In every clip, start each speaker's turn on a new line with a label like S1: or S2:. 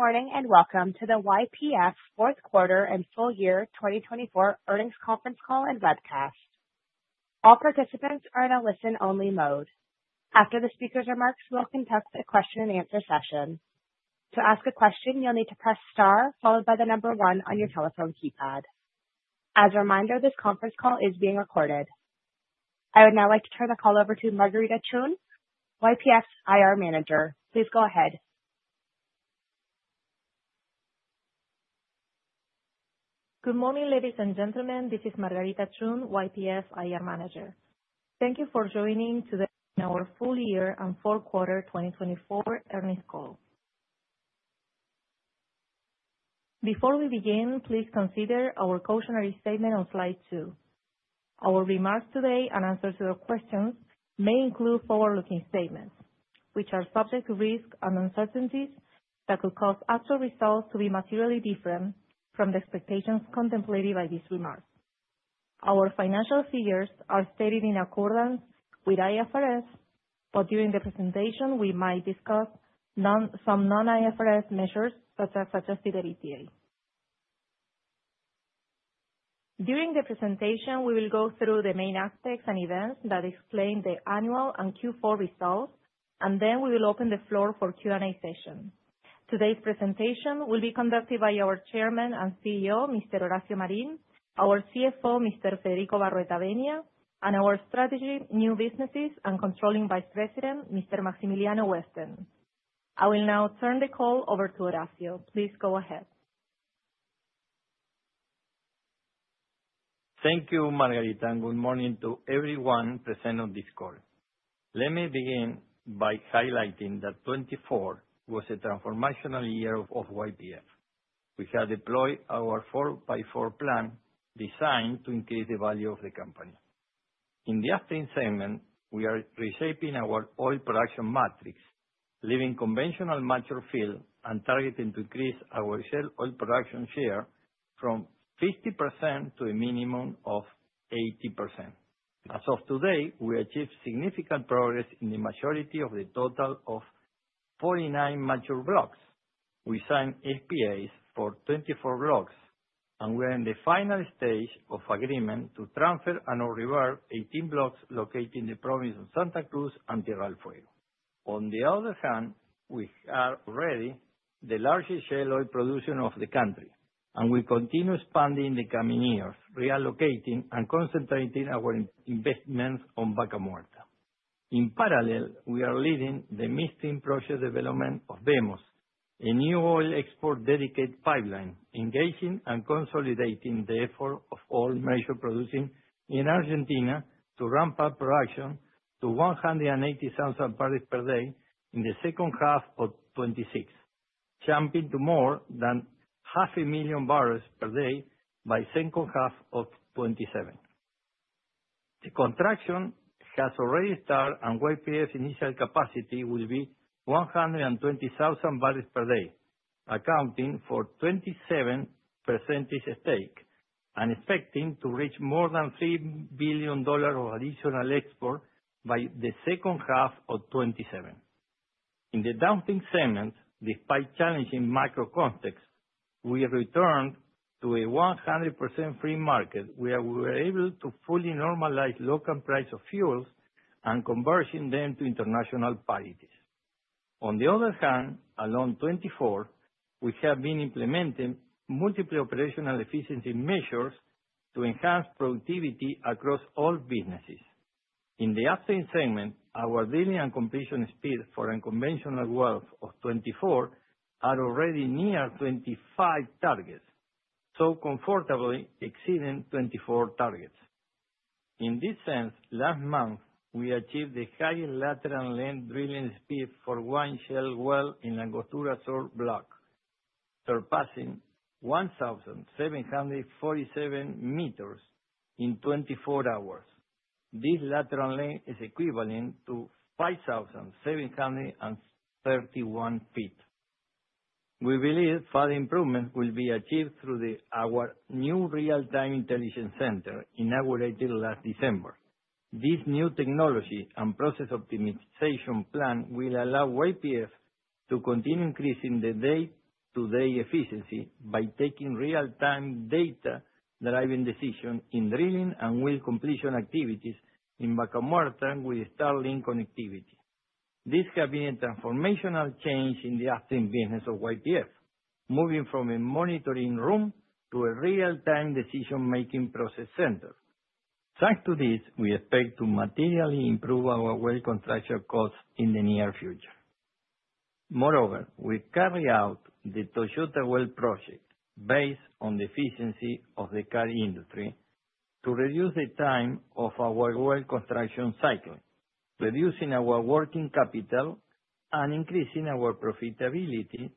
S1: Good morning and welcome to the YPF fourth quarter and full year 2024 earnings conference call and webcast. All participants are in a listen-only mode. After the speakers are marked, we'll conduct a question-and-answer session. To ask a question, you'll need to press star followed by the number one on your telephone keypad. As a reminder, this conference call is being recorded. I would now like to turn the call over to Margarita Chun, YPF's IR Manager. Please go ahead.
S2: Good morning, ladies and gentlemen. This is Margarita Chun, YPF IR Manager. Thank you for joining to our full year and fourth quarter 2024 earnings all. Before we begin, please consider our cautionary statement on slide two. Our remarks today and answers to your questions may include forward-looking statements, which are subject to risks and uncertainties that could cause actual results to be materially different from the expectations contemplated by these remarks. Our financial figures are stated in accordance with IFRS, but during the presentation, we might discuss some non-IFRS measures such as adjusted EBITDA. During the presentation, we will go through the main aspects and events that explain the annual and Q4 results, and then we will open the floor for Q&A session. Today's presentation will be conducted by our Chairman and CEO, Mr. Horacio Marín, our CFO, Mr. Federico Barroetaveña, and our Strategy, New Businesses, and Controlling Vice President, Mr. Maximiliano Westen. I will now turn the call over to Horacio. Please go ahead.
S3: Thank you, Margarita, and good morning to everyone present on this call. Let me begin by highlighting that 2024 was a transformational year of YPF. We had deployed our 4x4 plan designed to increase the value of the company. In the upstream segment, we are reshaping our oil production matrix, leaving conventional mature field and targeting to increase our shale oil production share from 50% to a minimum of 80%. As of today, we achieved significant progress in the majority of the total of 49 mature blocks. We signed FPAs for 24 blocks, and we are in the final stage of agreement to transfer and/or revert 18 blocks located in the province of Santa Cruz and Tierra del Fuego. On the other hand, we are already the largest shale oil producer of the country, and we continue expanding in the coming years, reallocating and concentrating our investments on Vaca Muerta. In parallel, we are leading the midstream project development of VMOS, a new oil export dedicated pipeline, engaging and consolidating the effort of all major producers in Argentina to ramp up production to 180,000 barrels per day in the second half of 2026, jumping to more than 500,000 barrels per day by the second half of 2027. The construction has already started, and YPF's initial capacity will be 120,000 barrels per day, accounting for 27% stake and expecting to reach more than $3 billion of additional export by the second half of 2027. In the downstream segment, despite challenging macro contexts, we returned to a 100% free market where we were able to fully normalize local prices of fuels and convert them to international parities. On the other hand, along 2024, we have been implementing multiple operational efficiency measures to enhance productivity across all businesses. In the upstream segment, our daily and completion speed for a conventional well of 2024 are already near 25 targets, so comfortably exceeding 24 targets. In this sense, last month, we achieved the highest lateral length drilling speed for one shale well in Angostura Sur block, surpassing 1,747 meters in 24 hours. This lateral length is equivalent to 5,731 feet. We believe further improvements will be achieved through our new real-time intelligence center inaugurated last December. This new technology and process optimization plan will allow YPF to continue increasing the day-to-day efficiency by taking real-time data-driven decisions in drilling and oil completion activities in Vaca Muerta with Starlink connectivity. This has been a transformational change in the upstream business of YPF, moving from a monitoring room to a real-time decision-making process center. Thanks to this, we expect to materially improve our oil contraction costs in the near future. Moreover, we carry out the Toyota Well project based on the efficiency of the car industry to reduce the time of our oil contraction cycle, reducing our working capital and increasing our profitability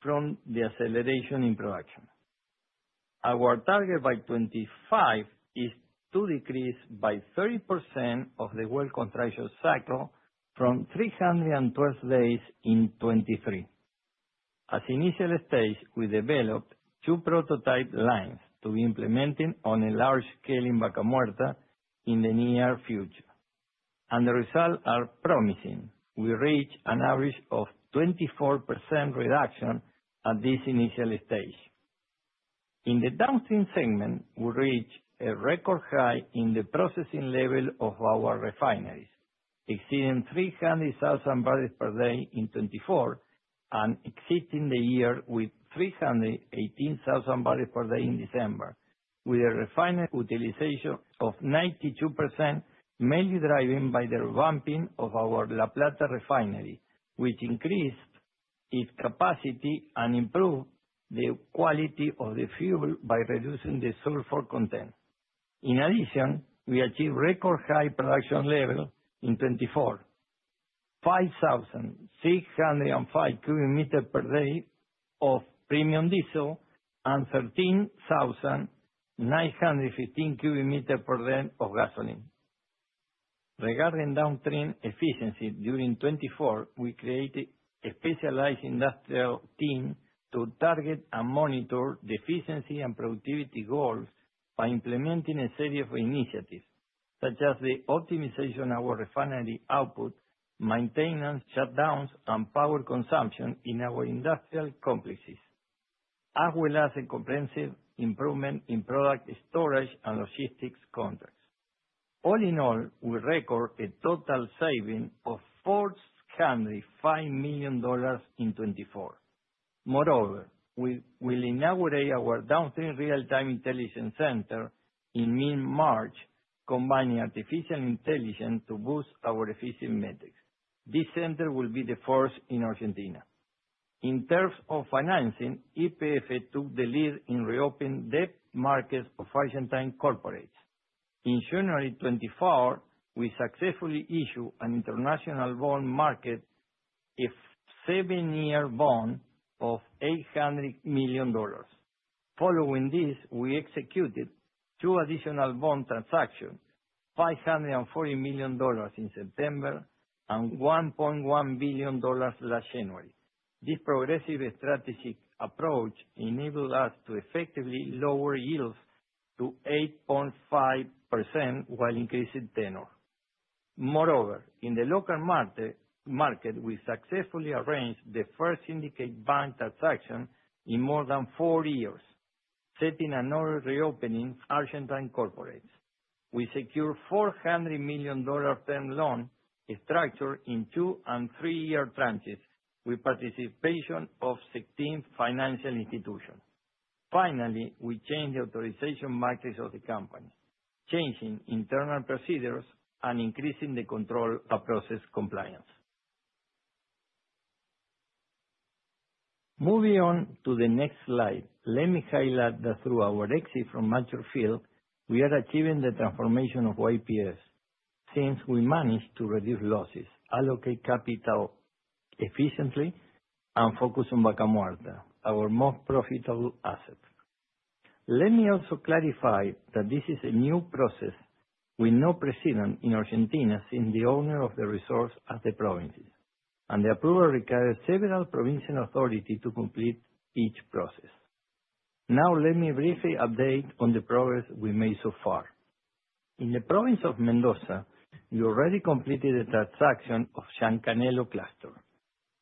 S3: from the acceleration in production. Our target by 2025 is to decrease by 30% of the oil contraction cycle from 312 days in 2023. As initial stage, we developed two prototype lines to be implemented on a large scale in Vaca Muerta in the near future. The results are promising. We reached an average of 24% reduction at this initial stage. In the downstream segment, we reached a record high in the processing level of our refineries, exceeding 300,000 barrels per day in 2024 and exceeding the year with 318,000 barrels per day in December, with a refinery utilization of 92%, mainly driven by the revamping of our La Plata refinery, which increased its capacity and improved the quality of the fuel by reducing the sulfur content. In addition, we achieved a record high production level in 2024, 5,605 cubic meters per day of premium diesel and 13,915 cubic meters per day of gasoline. Regarding downstream efficiency, during 2024, we created a specialized industrial team to target and monitor the efficiency and productivity goals by implementing a series of initiatives, such as the optimization of our refinery output, maintenance shutdowns, and power consumption in our industrial complexes, as well as a comprehensive improvement in product storage and logistics contracts. All in all, we record a total saving of $475 million in 2024. Moreover, we will inaugurate our downstream real-time intelligence center in mid-March, combining artificial intelligence to boost our efficiency metrics. This center will be the first in Argentina. In terms of financing, YPF took the lead in reopening the markets of Argentine corporates. In January 2024, we successfully issued an international bond market of seven-year bond of $800 million. Following this, we executed two additional bond transactions, $540 million in September and $1.1 billion last January. This progressive strategic approach enabled us to effectively lower yields to 8.5% while increasing tenor. Moreover, in the local market, we successfully arranged the first syndicate bank transaction in more than four years, setting another reopening. Argentine corporates. We secured a $400 million term loan structure in two and three-year tranches with participation of 16 financial institutions. Finally, we changed the authorization matrix of the company, changing internal procedures and increasing the control of process compliance. Moving on to the next slide, let me highlight that through our exit from mature field, we are achieving the transformation of YPF since we managed to reduce losses, allocate capital efficiently, and focus on Vaca Muerta, our most profitable asset. Let me also clarify that this is a new process with no precedent in Argentina since the owner of the resource at the provinces, and the approval requires several provincial authorities to complete each process. Now, let me briefly update on the progress we made so far. In the province of Mendoza, we already completed a transaction of Santangelo cluster.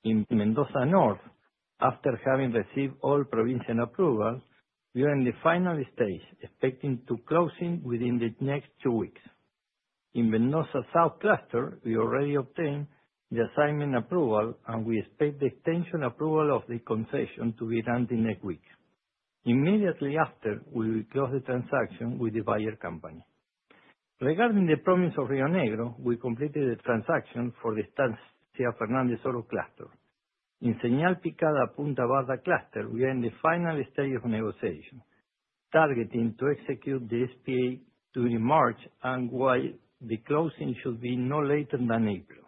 S3: In Mendoza North, after having received all provincial approvals, we are in the final stage, expecting to close it within the next two weeks. In Mendoza South cluster, we already obtained the assignment approval, and we expect the extension approval of the concession to be done the next week. Immediately after, we will close the transaction with the buyer company. Regarding the province of Río Negro, we completed the transaction for the Estacion Fernández Oro cluster. In Señal Picada Punta Barda cluster, we are in the final stage of negotiation, targeting to execute the SPA during March and while the closing should be no later than April.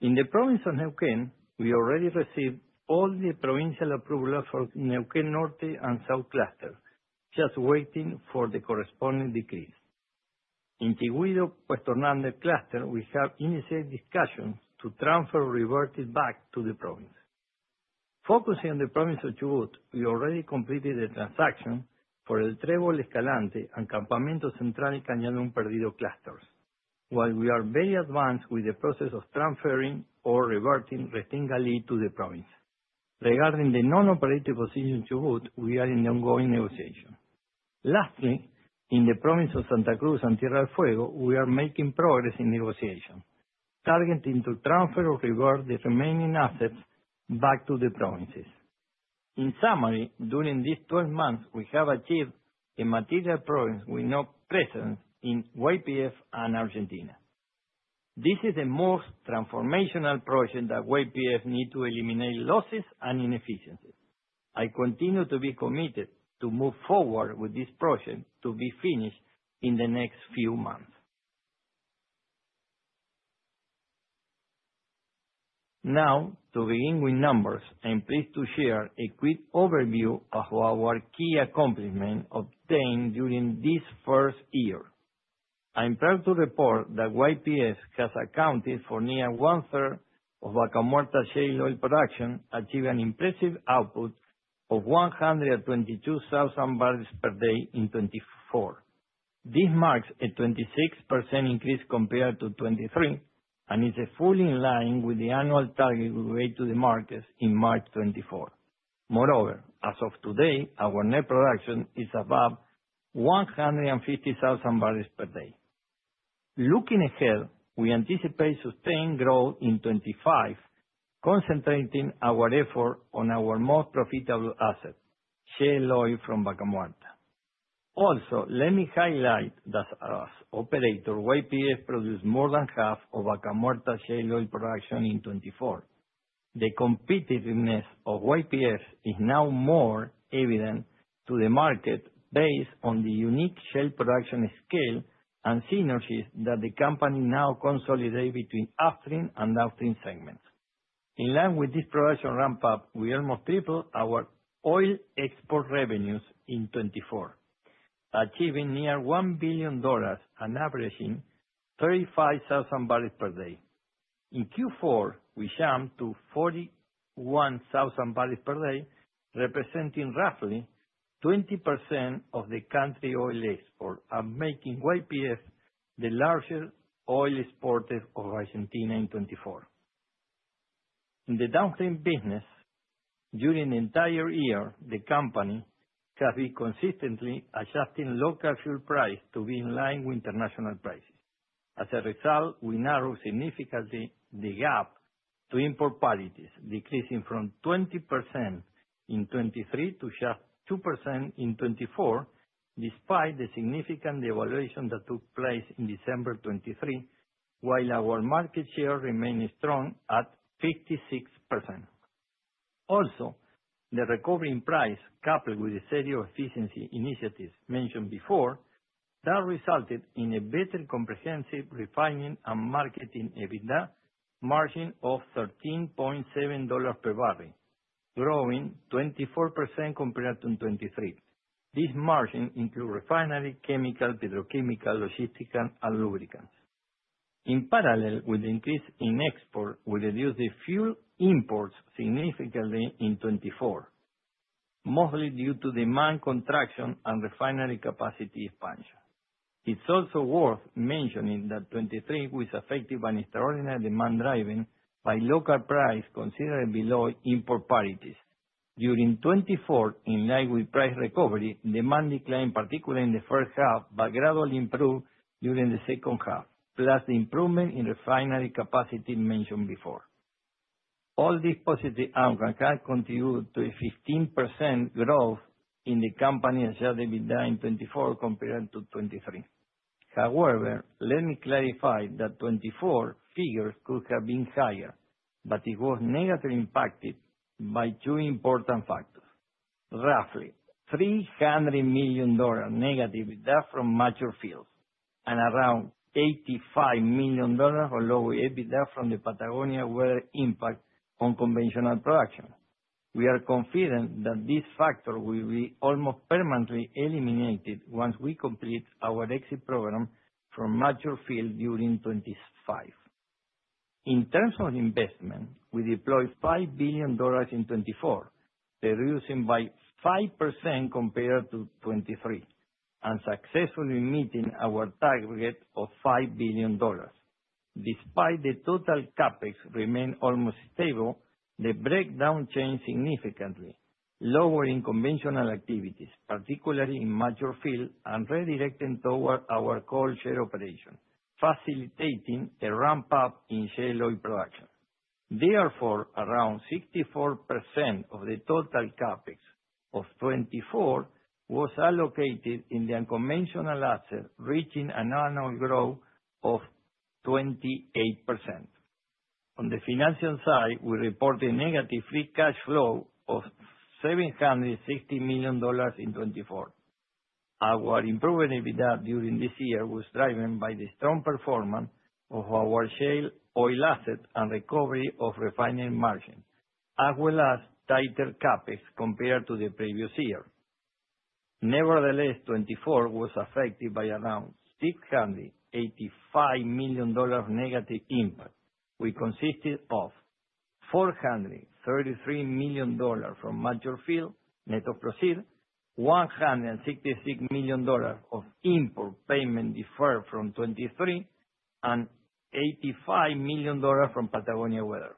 S3: In the province of Neuquén, we already received all the provincial approvals for Neuquén Norte and South cluster, just waiting for the corresponding decrees. In Puesto Hernández cluster, we have initiated discussions to transfer or revert it back to the province. Focusing on the province of Chubut, we already completed the transaction for El Trébol Escalante and Campamento Central Cañadón Perdido clusters, while we are very advanced with the process of transferring or reverting Restinga Ali to the province. Regarding the non-operating position in Chubut, we are in ongoing negotiation. Lastly, in the province of Santa Cruz and Tierra del Fuego, we are making progress in negotiation, targeting to transfer or revert the remaining assets back to the provinces. In summary, during these 12 months, we have achieved a material progress with no precedent in YPF and Argentina. This is the most transformational project that YPF needs to eliminate losses and inefficiencies. I continue to be committed to move forward with this project to be finished in the next few months. Now, to begin with numbers, I'm pleased to share a quick overview of our key accomplishments obtained during this first year. I'm proud to report that YPF has accounted for near one-third of Vaca Muerta shale oil production, achieving an impressive output of 122,000 barrels per day in 2024. This marks a 26% increase compared to 2023, and it's fully in line with the annual target we raised to the markets in March 2024. Moreover, as of today, our net production is above 150,000 barrels per day. Looking ahead, we anticipate sustained growth in 2025, concentrating our efforts on our most profitable asset, shale oil from Vaca Muerta. Also, let me highlight that as operator, YPF produced more than half of Vaca Muerta shale oil production in 2024. The competitiveness of YPF is now more evident to the market based on the unique shale production scale and synergies that the company now consolidates between upstream and downstream segments. In line with this production ramp-up, we almost tripled our oil export revenues in 2024, achieving near $1 billion and averaging 35,000 barrels per day. In Q4, we jumped to 41,000 barrels per day, representing roughly 20% of the country's oil export and making YPF the largest oil exporter of Argentina in 2024. In the downstream business, during the entire year, the company has been consistently adjusting local fuel prices to be in line with international prices. As a result, we narrowed significantly the gap to import parities, decreasing from 20% in 2023 to just 2% in 2024, despite the significant devaluation that took place in December 2023, while our market share remained strong at 56%. Also, the recovery in price coupled with the series of efficiency initiatives mentioned before that resulted in a better comprehensive refining and marketing EBITDA margin of $13.7 per barrel, growing 24% compared to 2023. This margin includes refinery, chemical, petrochemical, logistical, and lubricants. In parallel with the increase in exports, we reduced the fuel imports significantly in 2024, mostly due to demand contraction and refinery capacity expansion. It is also worth mentioning that 2023 was affected by extraordinary demand driving by local prices considerably below import parities. During 2024, in line with price recovery, demand declined, particularly in the first half, but gradually improved during the second half, plus the improvement in refinery capacity mentioned before. All these positive outcomes have contributed to a 15% growth in the company's EBITDA in 2024 compared to 2023. However, let me clarify that 2024 figures could have been higher, but it was negatively impacted by two important factors. Roughly $300 million negative EBITDA from mature fields and around $85 million on low EBITDA from the Patagonia weather impact on conventional production. We are confident that this factor will be almost permanently eliminated once we complete our exit program from mature field during 2025. In terms of investment, we deployed $5 billion in 2024, reducing by 5% compared to 2023 and successfully meeting our target of $5 billion. Despite the total CapEx remaining almost stable, the breakdown changed significantly, lowering conventional activities, particularly in mature fields, and redirecting toward our cold shale operation, facilitating a ramp-up in shale oil production. Therefore, around 64% of the total CapEx of 2024 was allocated in the unconventional assets, reaching an annual growth of 28%. On the financial side, we reported a negative free cash flow of $760 million in 2024. Our improved EBITDA during this year was driven by the strong performance of our shale oil asset and recovery of refining margins, as well as tighter CapEx compared to the previous year. Nevertheless, 2024 was affected by around $685 million negative impact, which consisted of $433 million from mature field net of proceeds, $166 million of import payment deferred from 2023, and $85 million from Patagonia weather.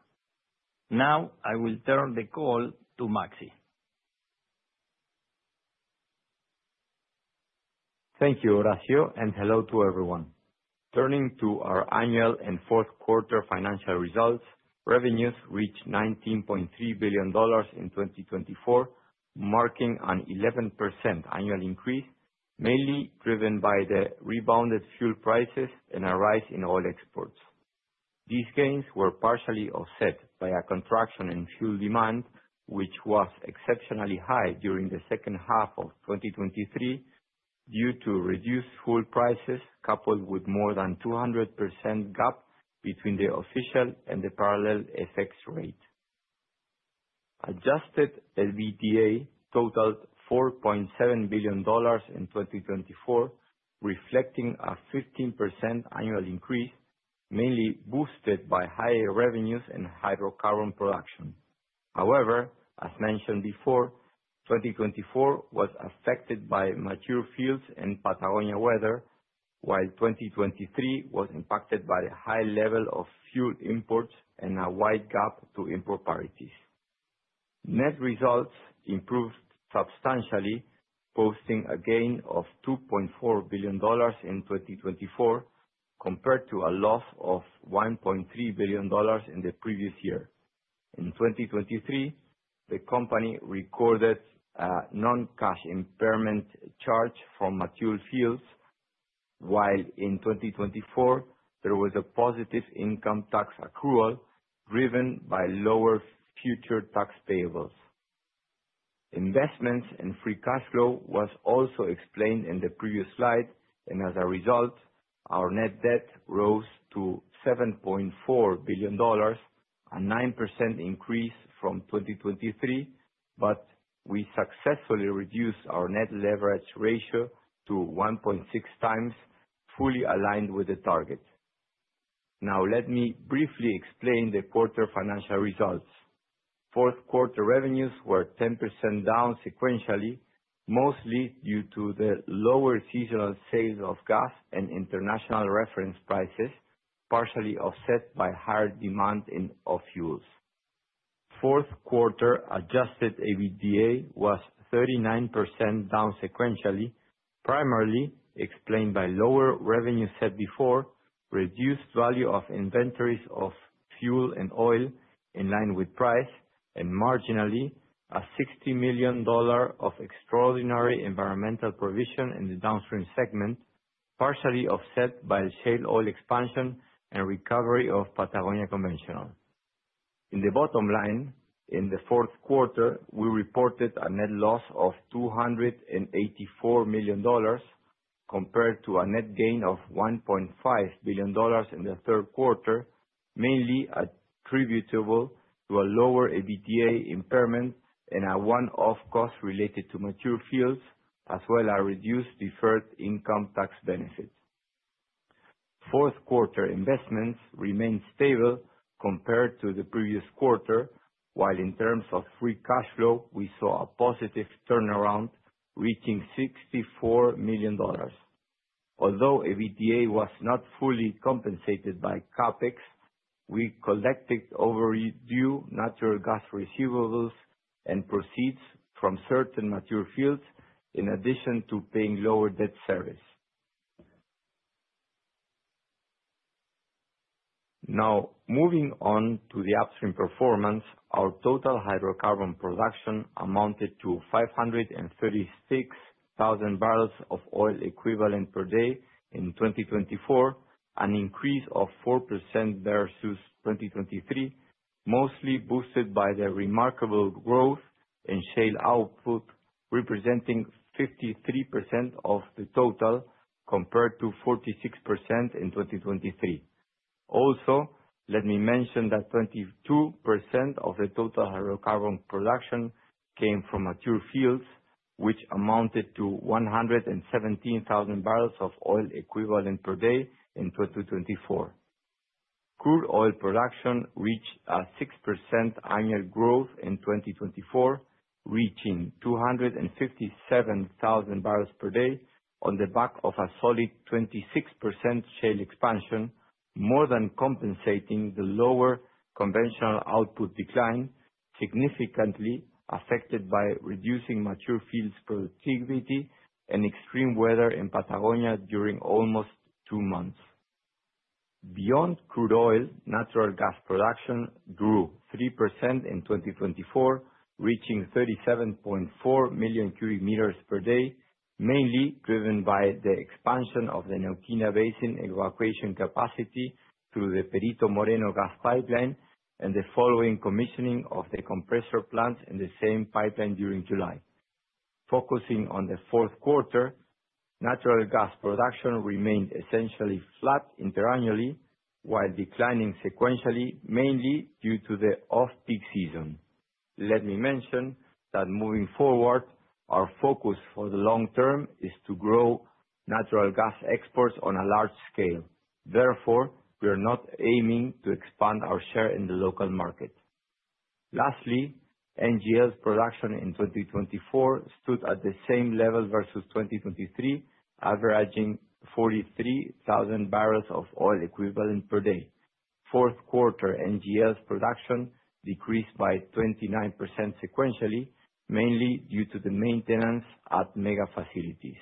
S3: Now, I will turn the call to Maxi.
S4: Thank you, Horacio, and hello to everyone. Turning to our annual and fourth quarter financial results, revenues reached $19.3 billion in 2024, marking an 11% annual increase, mainly driven by the rebounded fuel prices and a rise in oil exports. These gains were partially offset by a contraction in fuel demand, which was exceptionally high during the second half of 2023 due to reduced fuel prices coupled with more than a 200% gap between the official and the parallel FX rate. Adjusted EBITDA totaled $4.7 billion in 2024, reflecting a 15% annual increase, mainly boosted by higher revenues and hydrocarbon production. However, as mentioned before, 2024 was affected by mature fields and Patagonia weather, while 2023 was impacted by a high level of fuel imports and a wide gap to import parities. Net results improved substantially, posting a gain of $2.4 billion in 2024 compared to a loss of $1.3 billion in the previous year. In 2023, the company recorded a non-cash impairment charge from mature fields, while in 2024, there was a positive income tax accrual driven by lower future tax payables. Investments and free cash flow were also explained in the previous slide, and as a result, our net debt rose to $7.4 billion, a 9% increase from 2023, but we successfully reduced our net leverage ratio to 1.6 times, fully aligned with the target. Now, let me briefly explain the quarter financial results. Fourth quarter revenues were 10% down sequentially, mostly due to the lower seasonal sales of gas and international reference prices, partially offset by higher demand of fuels. Fourth quarter adjusted EBITDA was 39% down sequentially, primarily explained by lower revenues said before, reduced value of inventories of fuel and oil in line with price, and marginally a $60 million of extraordinary environmental provision in the downstream segment, partially offset by shale oil expansion and recovery of Patagonia conventional. In the bottom line, in the fourth quarter, we reported a net loss of $284 million compared to a net gain of $1.5 billion in the third quarter, mainly attributable to a lower EBITDA impairment and a one-off cost related to mature fields, as well as reduced deferred income tax benefits. Fourth quarter investments remained stable compared to the previous quarter, while in terms of free cash flow, we saw a positive turnaround reaching $64 million. Although EBITDA was not fully compensated by CapEx, we collected overdue natural gas receivables and proceeds from certain mature fields, in addition to paying lower debt service. Now, moving on to the upstream performance, our total hydrocarbon production amounted to 536,000 barrels of oil equivalent per day in 2024, an increase of 4% versus 2023, mostly boosted by the remarkable growth in shale output, representing 53% of the total compared to 46% in 2023. Also, let me mention that 22% of the total hydrocarbon production came from mature fields, which amounted to 117,000 barrels of oil equivalent per day in 2024. Crude oil production reached a 6% annual growth in 2024, reaching 257,000 barrels per day on the back of a solid 26% shale expansion, more than compensating the lower conventional output decline significantly affected by reducing mature fields' productivity and extreme weather in Patagonia during almost two months. Beyond crude oil, natural gas production grew 3% in 2024, reaching 37.4 million cubic meters per day, mainly driven by the expansion of the Neuquén Basin evacuation capacity through the Perito Moreno gas pipeline and the following commissioning of the compressor plants in the same pipeline during July. Focusing on the fourth quarter, natural gas production remained essentially flat interannually, while declining sequentially, mainly due to the off-peak season. Let me mention that moving forward, our focus for the long term is to grow natural gas exports on a large scale. Therefore, we are not aiming to expand our share in the local market. Lastly, NGLs production in 2024 stood at the same level versus 2023, averaging 43,000 barrels of oil equivalent per day. Fourth quarter NGLs production decreased by 29% sequentially, mainly due to the maintenance at mega facilities.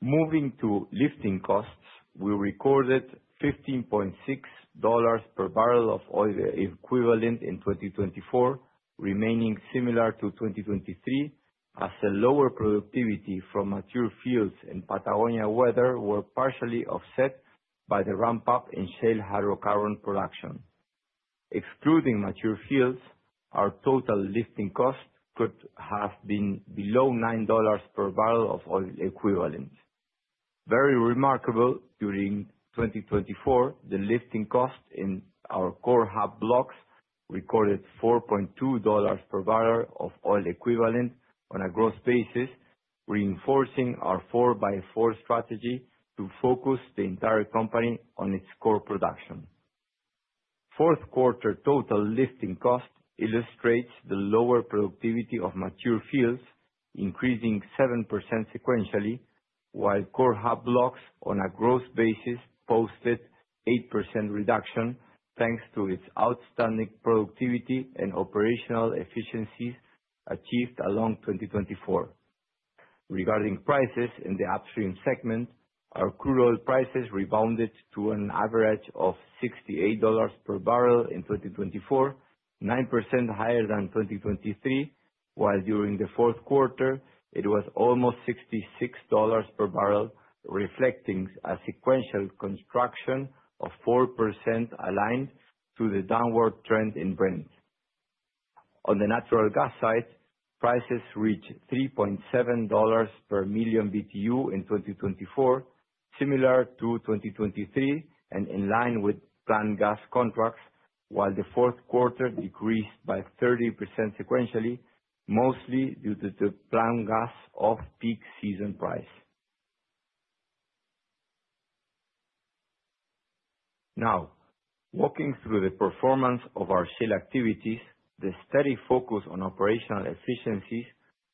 S4: Moving to lifting costs, we recorded $15.6 per barrel of oil equivalent in 2024, remaining similar to 2023, as the lower productivity from mature fields and Patagonia weather were partially offset by the ramp-up in shale hydrocarbon production. Excluding mature fields, our total lifting cost could have been below $9 per barrel of oil equivalent. Very remarkable, during 2024, the lifting cost in our core hub blocks recorded $4.2 per barrel of oil equivalent on a gross basis, reinforcing our 4x4 strategy to focus the entire company on its core production. Fourth quarter total lifting cost illustrates the lower productivity of mature fields, increasing 7% sequentially, while core hub blocks on a gross basis posted 8% reduction thanks to its outstanding productivity and operational efficiencies achieved along 2024. Regarding prices in the upstream segment, our crude oil prices rebounded to an average of $68 per barrel in 2024, 9% higher than 2023, while during the fourth quarter, it was almost $66 per barrel, reflecting a sequential contraction of 4% aligned to the downward trend in Brent. On the natural gas side, prices reached $3.7 per million BTU in 2024, similar to 2023 and in line with planned gas contracts, while the fourth quarter decreased by 30% sequentially, mostly due to the planned gas off-peak season price. Now, walking through the performance of our shale activities, the steady focus on operational efficiencies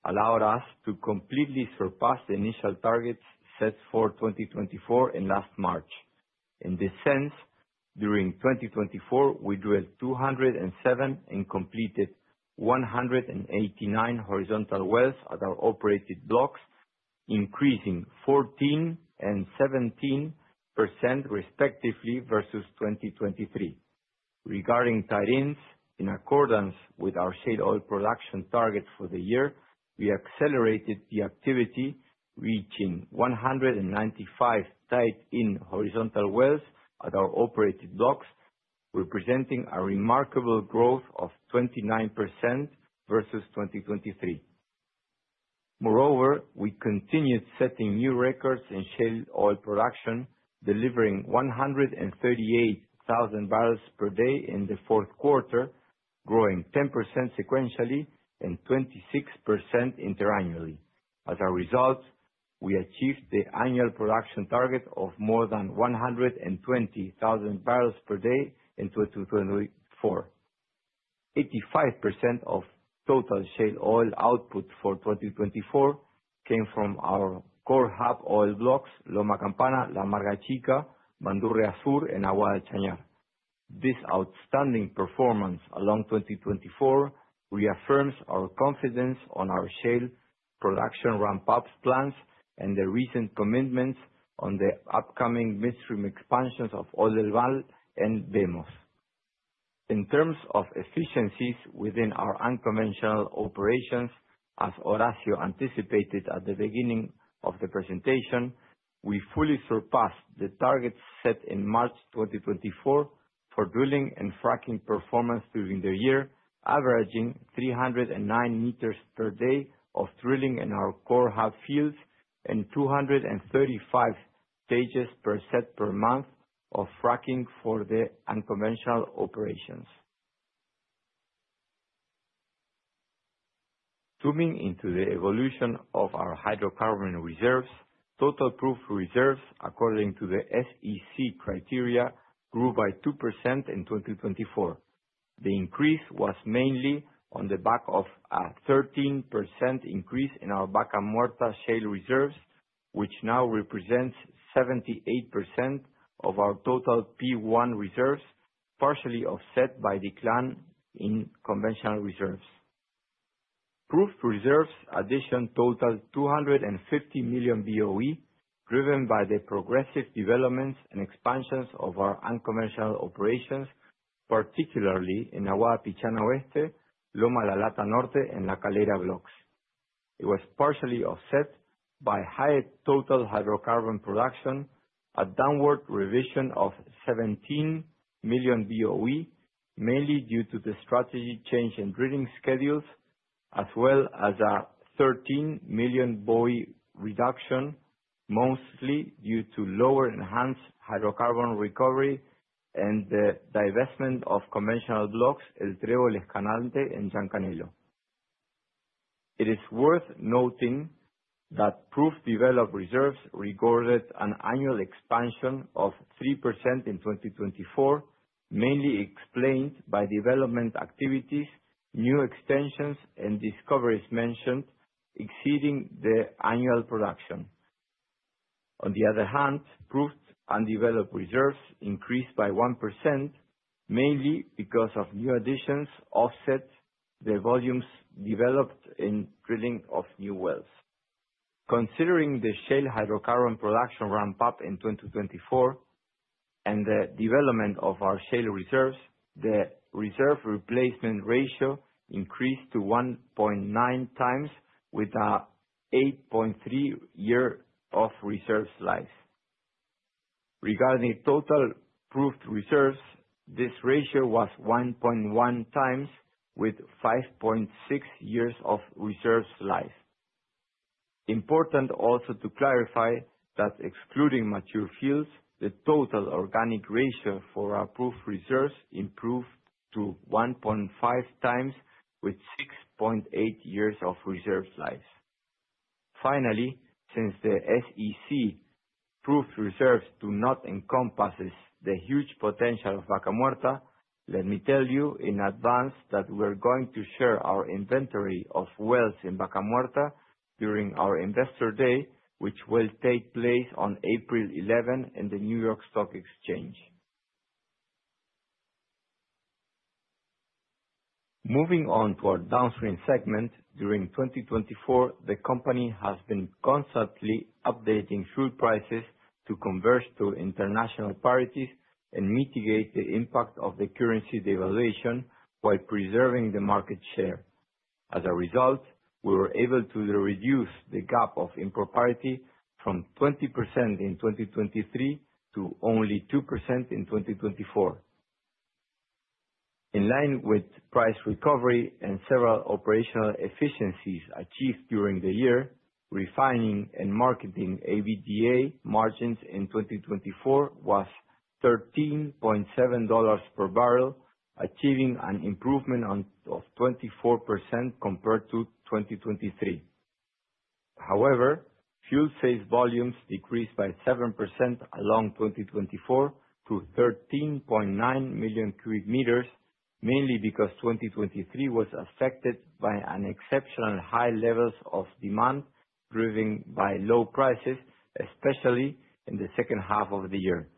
S4: allowed us to completely surpass the initial targets set for 2024 in last March. In this sense, during 2024, we drilled 207 and completed 189 horizontal wells at our operated blocks, increasing 14% and 17% respectively versus 2023. Regarding tight ends, in accordance with our shale oil production target for the year, we accelerated the activity, reaching 195 tight end horizontal wells at our operated blocks, representing a remarkable growth of 29% versus 2023. Moreover, we continued setting new records in shale oil production, delivering 138,000 barrels per day in the fourth quarter, growing 10% sequentially and 26% interannually. As a result, we achieved the annual production target of more than 120,000 barrels per day in 2024. 85% of total shale oil output for 2024 came from our core hub oil blocks, Loma Campana, La Amarga Chica, Bandurria Sur, and Aguada del Chañar. This outstanding performance along 2024 reaffirms our confidence on our shale production ramp-up plans and the recent commitments on the upcoming midstream expansions of Oldelval and VMOS. In terms of efficiencies within our unconventional operations, as Horacio anticipated at the beginning of the presentation, we fully surpassed the targets set in March 2024 for drilling and fracking performance during the year, averaging 309 meters per day of drilling in our core hub fields and 235 stages per set per month of fracking for the unconventional operations. Zooming into the evolution of our hydrocarbon reserves, total proved reserves, according to the SEC criteria, grew by 2% in 2024. The increase was mainly on the back of a 13% increase in our Vaca Muerta shale reserves, which now represents 78% of our total P1 reserves, partially offset by decline in conventional reserves. Proved reserves addition totaled 250 million BOE, driven by the progressive developments and expansions of our unconventional operations, particularly in Aguada Pichana Oeste, Loma la Lata Norte, and La Calera blocks. It was partially offset by higher total hydrocarbon production, a downward revision of 17 million BOE, mainly due to the strategy change in drilling schedules, as well as a 13 million BOE reduction, mostly due to lower enhanced hydrocarbon recovery and the divestment of conventional blocks El Trébol Escalante and Santangelo. It is worth noting that proved developed reserves recorded an annual expansion of 3% in 2024, mainly explained by development activities, new extensions, and discoveries mentioned exceeding the annual production. On the other hand, proved undeveloped reserves increased by 1%, mainly because new additions offset the volumes developed in drilling of new wells. Considering the shale hydrocarbon production ramp-up in 2024 and the development of our shale reserves, the reserve replacement ratio increased to 1.9 times, with an 8.3-year reserve slice. Regarding total proved reserves, this ratio was 1.1 times, with 5.6 years of reserve slice. Important also to clarify that excluding mature fields, the total organic ratio for our proved reserves improved to 1.5 times, with 6.8 years of reserve life. Finally, since the SEC proved reserves do not encompass the huge potential of Vaca Muerta, let me tell you in advance that we're going to share our inventory of wells in Vaca Muerta during our investor day, which will take place on April 11 in the New York Stock Exchange. Moving on to our downstream segment, during 2024, the company has been constantly updating fuel prices to converge to international parities and mitigate the impact of the currency devaluation while preserving the market share. As a result, we were able to reduce the gap of import parity from 20% in 2023 to only 2% in 2024. In line with price recovery and several operational efficiencies achieved during the year, refining and marketing EBITDA margins in 2024 was $13.7 per barrel, achieving an improvement of 24% compared to 2023. However, fuel sales volumes decreased by 7% along 2024 to 13.9 million cubic meters, mainly because 2023 was affected by exceptionally high levels of demand driven by low prices, especially in the second half of the year.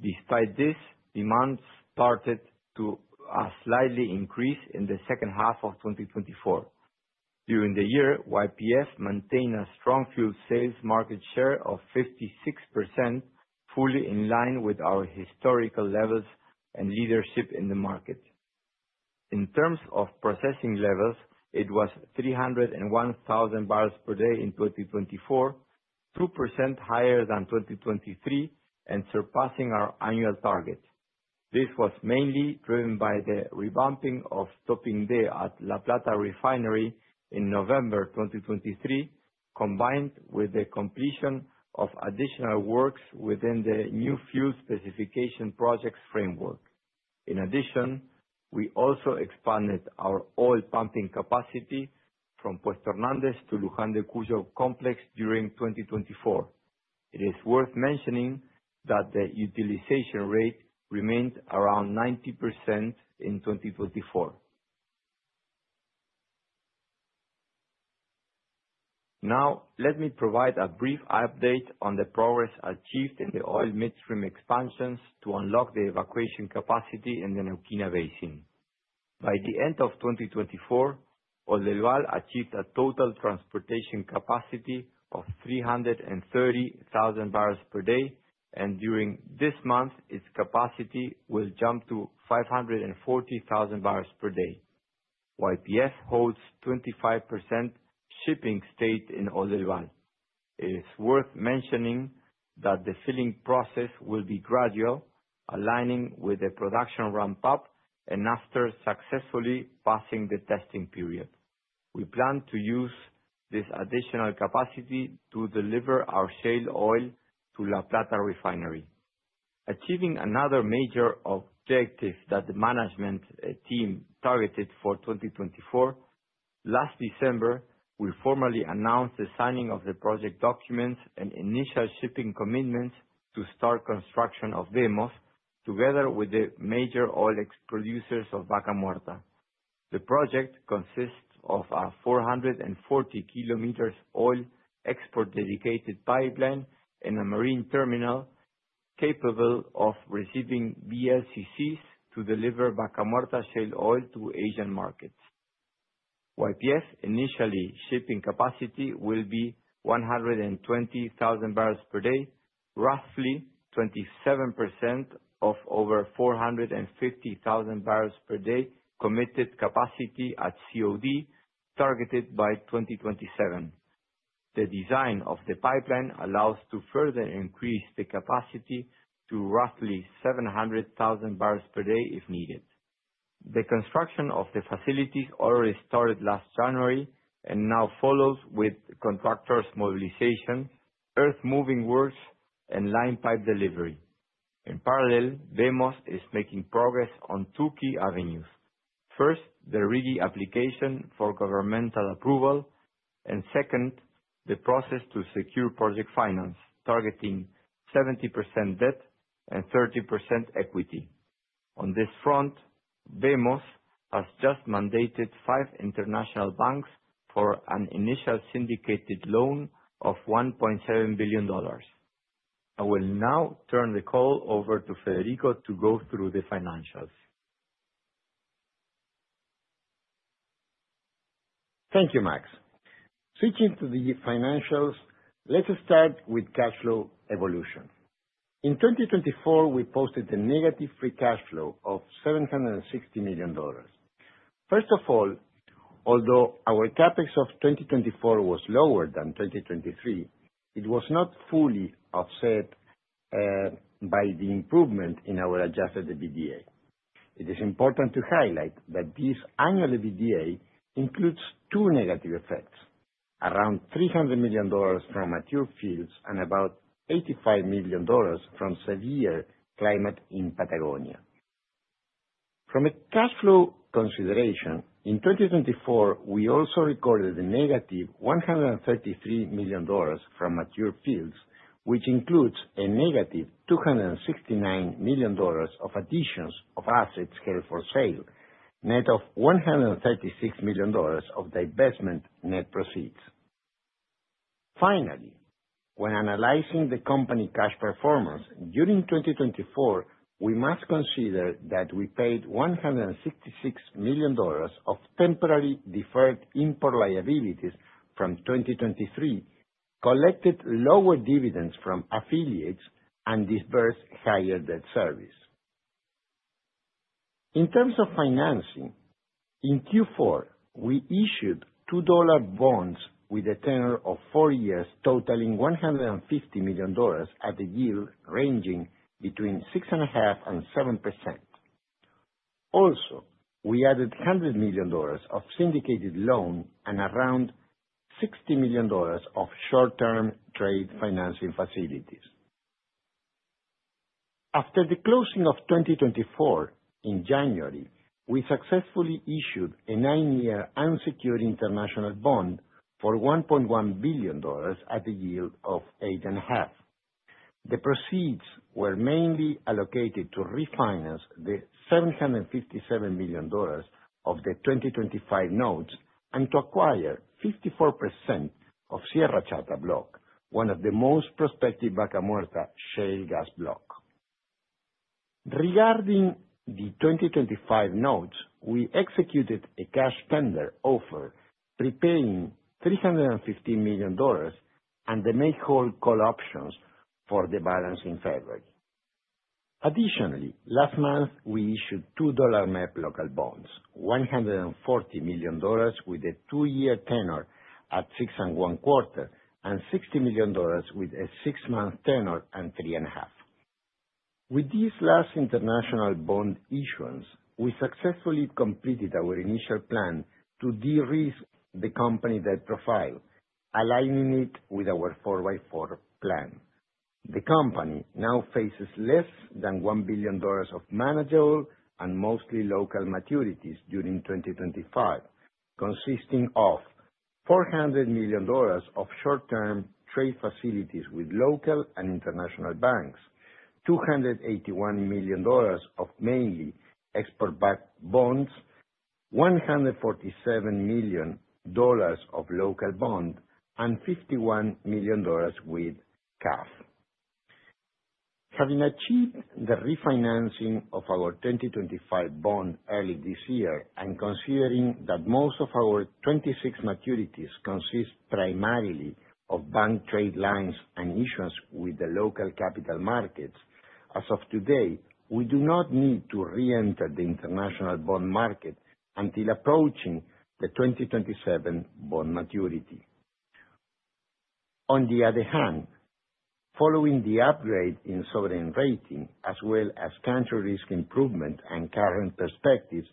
S4: Despite this, demand started to slightly increase in the second half of 2024. During the year, YPF maintained a strong fuel sales market share of 56%, fully in line with our historical levels and leadership in the market. In terms of processing levels, it was 301,000 barrels per day in 2024, 2% higher than 2023 and surpassing our annual target. This was mainly driven by the revamping of Topping D at La Plata Refinery in November 2023, combined with the completion of additional works within the new fuel specification project framework. In addition, we also expanded our oil pumping capacity from Puestos Hernández to Luján de Cuyo Complex during 2024. It is worth mentioning that the utilization rate remained around 90% in 2024. Now, let me provide a brief update on the progress achieved in the oil midstream expansions to unlock the evacuation capacity in the Neuquén Basin. By the end of 2024, Oldelval achieved a total transportation capacity of 330,000 barrels per day, and during this month, its capacity will jump to 540,000 barrels per day. YPF holds 25% shipping stake in Oldelval. It is worth mentioning that the filling process will be gradual, aligning with the production ramp-up and after successfully passing the testing period. We plan to use this additional capacity to deliver our shale oil to La Plata Refinery. Achieving another major objective that the management team targeted for 2024, last December, we formally announced the signing of the project documents and initial shipping commitments to start construction of VMOS, together with the major oil producers of Vaca Muerta. The project consists of a 440 km oil export-dedicated pipeline and a marine terminal capable of receiving VLCCs to deliver Vaca Muerta shale oil to Asian markets. YPF initial shipping capacity will be 120,000 barrels per day, roughly 27% of over 450,000 barrels per day committed capacity at COD targeted by 2027. The design of the pipeline allows to further increase the capacity to roughly 700,000 barrels per day if needed. The construction of the facilities already started last January and now follows with contractors' mobilization, earth-moving works, and line pipe delivery. In parallel, VMOS is making progress on two key avenues: first, the RIGI application for governmental approval, and second, the process to secure project finance, targeting 70% debt and 30% equity. On this front, VMOS has just mandated five international banks for an initial syndicated loan of $1.7 billion.I will now turn the call over to Federico to go through the financials.
S5: Thank you, Max. Switching to the financials, let's start with cash flow evolution. In 2024, we posted a negative free cash flow of $760 million. First of all, although our CapEx of 2024 was lower than 2023, it was not fully offset by the improvement in our adjusted EBITDA. It is important to highlight that this annual EBITDA includes two negative effects: around $300 million from mature fields and about $85 million from severe climate in Patagonia. From a cash flow consideration, in 2024, we also recorded a negative $133 million from mature fields, which includes a negative $269 million of additions of assets held for sale, net of $136 million of divestment net proceeds. Finally, when analyzing the company cash performance during 2024, we must consider that we paid $166 million of temporary deferred import liabilities from 2023, collected lower dividends from affiliates, and disbursed higher debt service. In terms of financing, in Q4, we issued $2 bonds with a tenor of four years, totaling $150 million at a yield ranging between 6.5% and 7%. Also, we added $100 million of syndicated loan and around $60 million of short-term trade financing facilities. After the closing of 2024, in January, we successfully issued a nine-year unsecured international bond for $1.1 billion at a yield of 8.5%. The proceeds were mainly allocated to refinance the $757 million of the 2025 notes and to acquire 54% of Sierra Chata block, one of the most prospective Vaca Muerta shale gas block. Regarding the 2025 notes, we executed a cash tender offer, prepaying $315 million and the may-hold call options for the balance in February. Additionally, last month, we issued $2 MEP local bonds, $140 million with a two-year tenor at 6.25% and $60 million with a six-month tenor at 3.5%. With these last international bond issuance, we successfully completed our initial plan to de-risk the company debt profile, aligning it with our 4x4 plan. The company now faces less than $1 billion of manageable and mostly local maturities during 2025, consisting of $400 million of short-term trade facilities with local and international banks, $281 million of mainly export-backed bonds, $147 million of local bond, and $51 million with CAF. Having achieved the refinancing of our 2025 bond early this year and considering that most of our 2026 maturities consist primarily of bank trade lines and issuance with the local capital markets, as of today, we do not need to re-enter the international bond market until approaching the 2027 bond maturity. On the other hand, following the upgrade in sovereign rating, as well as country risk improvement and current perspectives,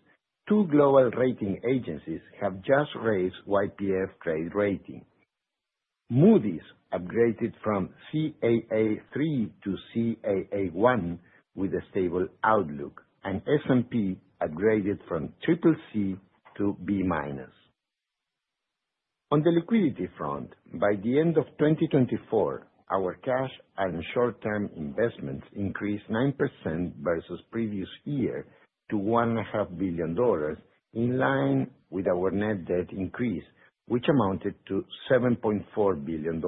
S5: two global rating agencies have just raised YPF trade rating. Moody's upgraded from Caa3 to Caa1 with a stable outlook, and S&P upgraded from CCC to B-. On the liquidity front, by the end of 2024, our cash and short-term investments increased 9% versus previous year to $1.5 billion, in line with our net debt increase, which amounted to $7.4 billion.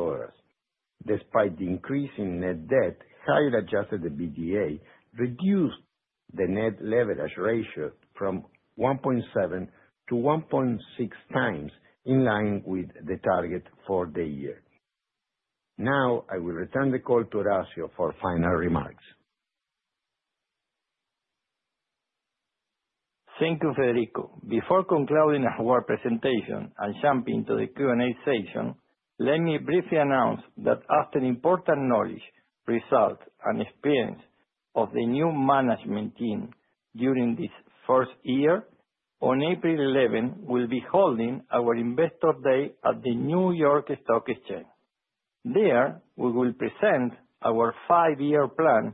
S5: Despite the increase in net debt, higher adjusted EBITDA reduced the net leverage ratio from 1.7 to 1.6 times, in line with the target for the year. Now, I will return the call to Horacio for final remarks.
S3: Thank you, Federico. Before concluding our presentation and jumping to the Q&A section, let me briefly announce that after important knowledge, results, and experience of the new management team during this first year, on April 11, we will be holding our Investor Day at the New York Stock Exchange. There, we will present our five-year plan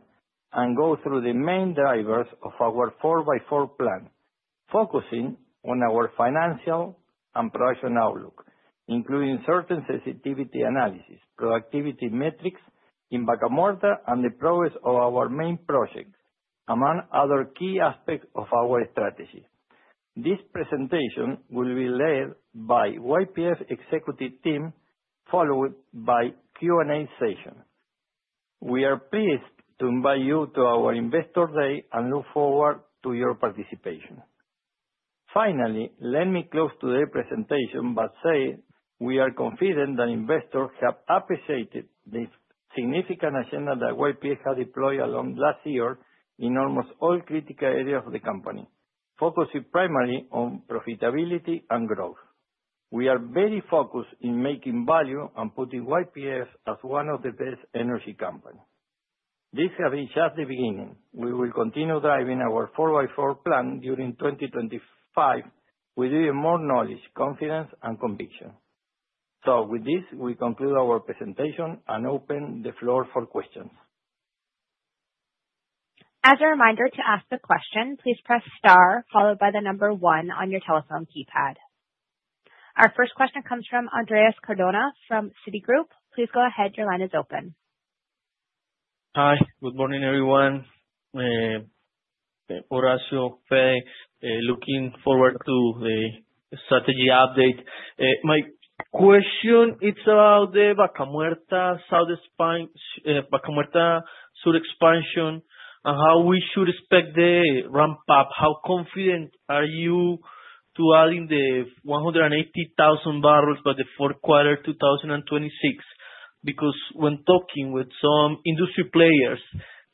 S3: and go through the main drivers of our 4x4 plan, focusing on our financial and production outlook, including certain sensitivity analysis, productivity metrics in Vaca Muerta, and the progress of our main projects, among other key aspects of our strategy. This presentation will be led by YPF executive team, followed by a Q&A session. We are pleased to invite you to our Investor Day and look forward to your participation. Finally, let me close today's presentation by saying we are confident that investors have appreciated the significant agenda that YPF has deployed along last year in almost all critical areas of the company, focusing primarily on profitability and growth. We are very focused in making value and putting YPF as one of the best energy companies. This has been just the beginning. We will continue driving our 4x4 plan during 2025 with even more knowledge, confidence, and conviction. With this, we conclude our presentation and open the floor for questions.
S1: As a reminder to ask the question, please press star, followed by the number one on your telephone keypad. Our first question comes from Andres Cardona from Citigroup. Please go ahead. Your line is open.
S6: Hi. Good morning, everyone. Horacio, looking forward to the strategy update. My question is about the Vaca Muerta South expansion and how we should expect the ramp-up. How confident are you to adding the 180,000 barrels by the fourth quarter of 2026? Because when talking with some industry players,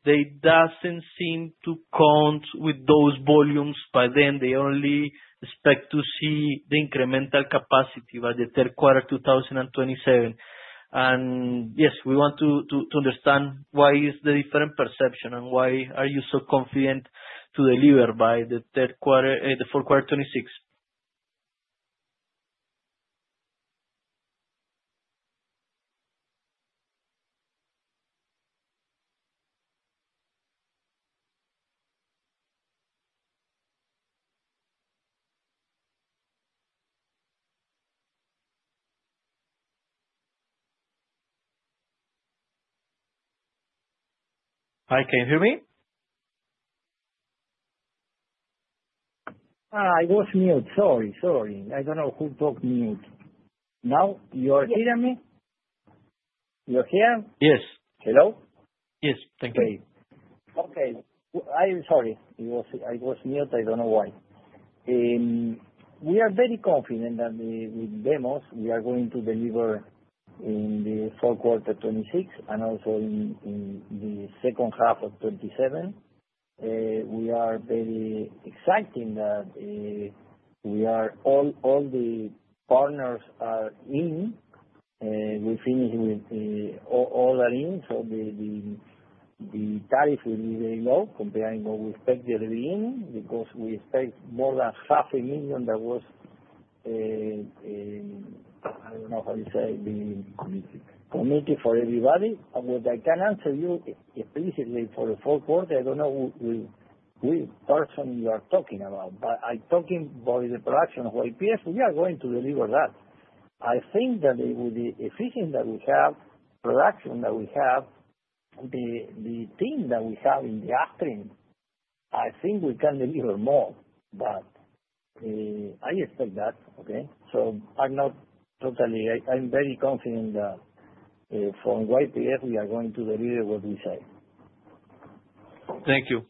S6: they do not seem to count with those volumes by then. They only expect to see the incremental capacity by the third quarter of 2027. Yes, we want to understand why is the different perception and why are you so confident to deliver by the fourth quarter of 2026.
S3: Hi, can you hear me? I was mute. Sorry, sorry. I do not know who talked mute. Now, you are hearing me? You are here? Yes. Hello?
S6: Yes, thank you. Okay. Okay. I am sorry.
S3: I was mute. I do not know why. We are very confident that with VMOS, we are going to deliver in the fourth quarter of 2026 and also in the second half of 2027. We are very excited that all the partners are in. We finished with all are in, so the tariff will be very low comparing what we expected at the beginning because we expect more than 500,000 that was, I do not know how you say, the committee for everybody. What I can answer you explicitly for the fourth quarter, I do not know which person you are talking about, but I am talking about the production of YPF. We are going to deliver that. I think that with the efficiency that we have, production that we have, the team that we have in the [upstream], I think we can deliver more, but I expect that, okay? I'm very confident that from YPF, we are going to deliver what we say.
S6: Thank you.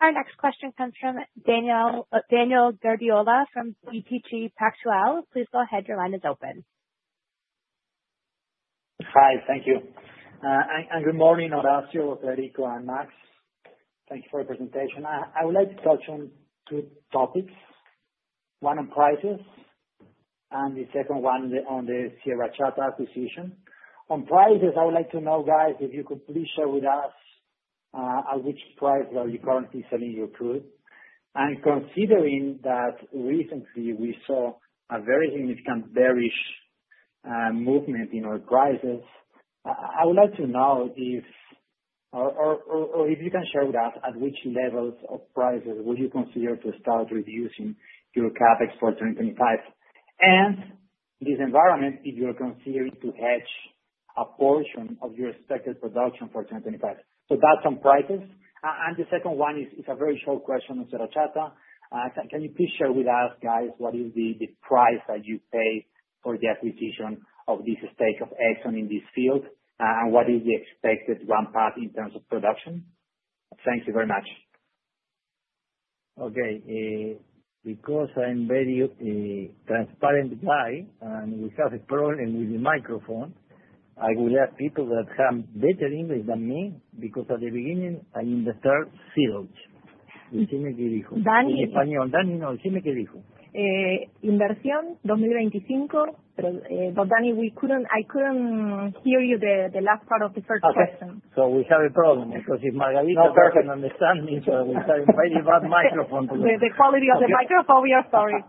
S1: Our next question comes from Daniel Guardiola from BTG Pactual. Please go ahead. Your line is open.
S7: Hi. Thank you. And good morning, Horacio, Federico, and Max. Thank you for your presentation. I would like to touch on two topics. One on prices and the second one on the Sierra Chata acquisition. On prices, I would like to know, guys, if you could please share with us at which price you are currently selling your crude. Considering that recently we saw a very significant bearish movement in our prices, I would like to know if you can share with us at which levels of prices you would consider to start reducing your CapEx for 2025. In this environment, if you're considering to hedge a portion of your expected production for 2025. That's on prices. The second one is a very short question on Sierra Chata. Can you please share with us, guys, what is the price that you pay for the acquisition of this stake of Exxon in this field, and what is the expected ramp-up in terms of production? Thank you very much.
S3: Okay. Because I'm a very transparent guy and we have a problem with the microphone, I will ask people that have better English than me because at the beginning, I understood.
S2: [Foreging Language] Dani, I couldn't hear you the last part of the first question. Okay. We have a problem because if Margarita doesn't understand me, we have a very bad microphone. The quality of the microphone, we are sorry.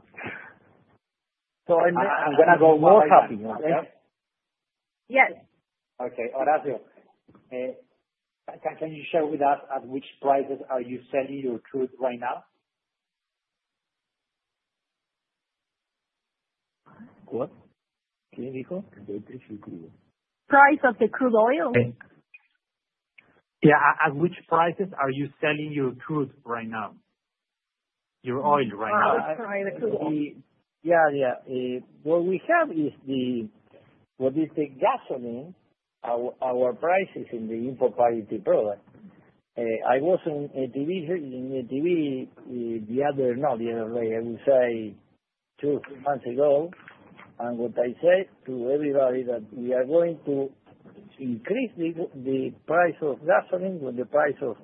S2: I'm going to go more happy, okay? Yes.
S7: Okay. Horacio, can you share with us at which prices are you selling your crude right now?
S2: ¿Qué dijo? The price of the crude oil.
S7: Yeah. At which prices are you selling your crude right now? Your oil right now. Sorry.
S2: The crude oil.
S3: Yeah, yeah. What we have is the what is the gasoline, our prices in the import quality product. [I was in EPG the other, no, the other day.] I will say two or three months ago, and what I said to everybody that we are going to increase the price of gasoline when the price of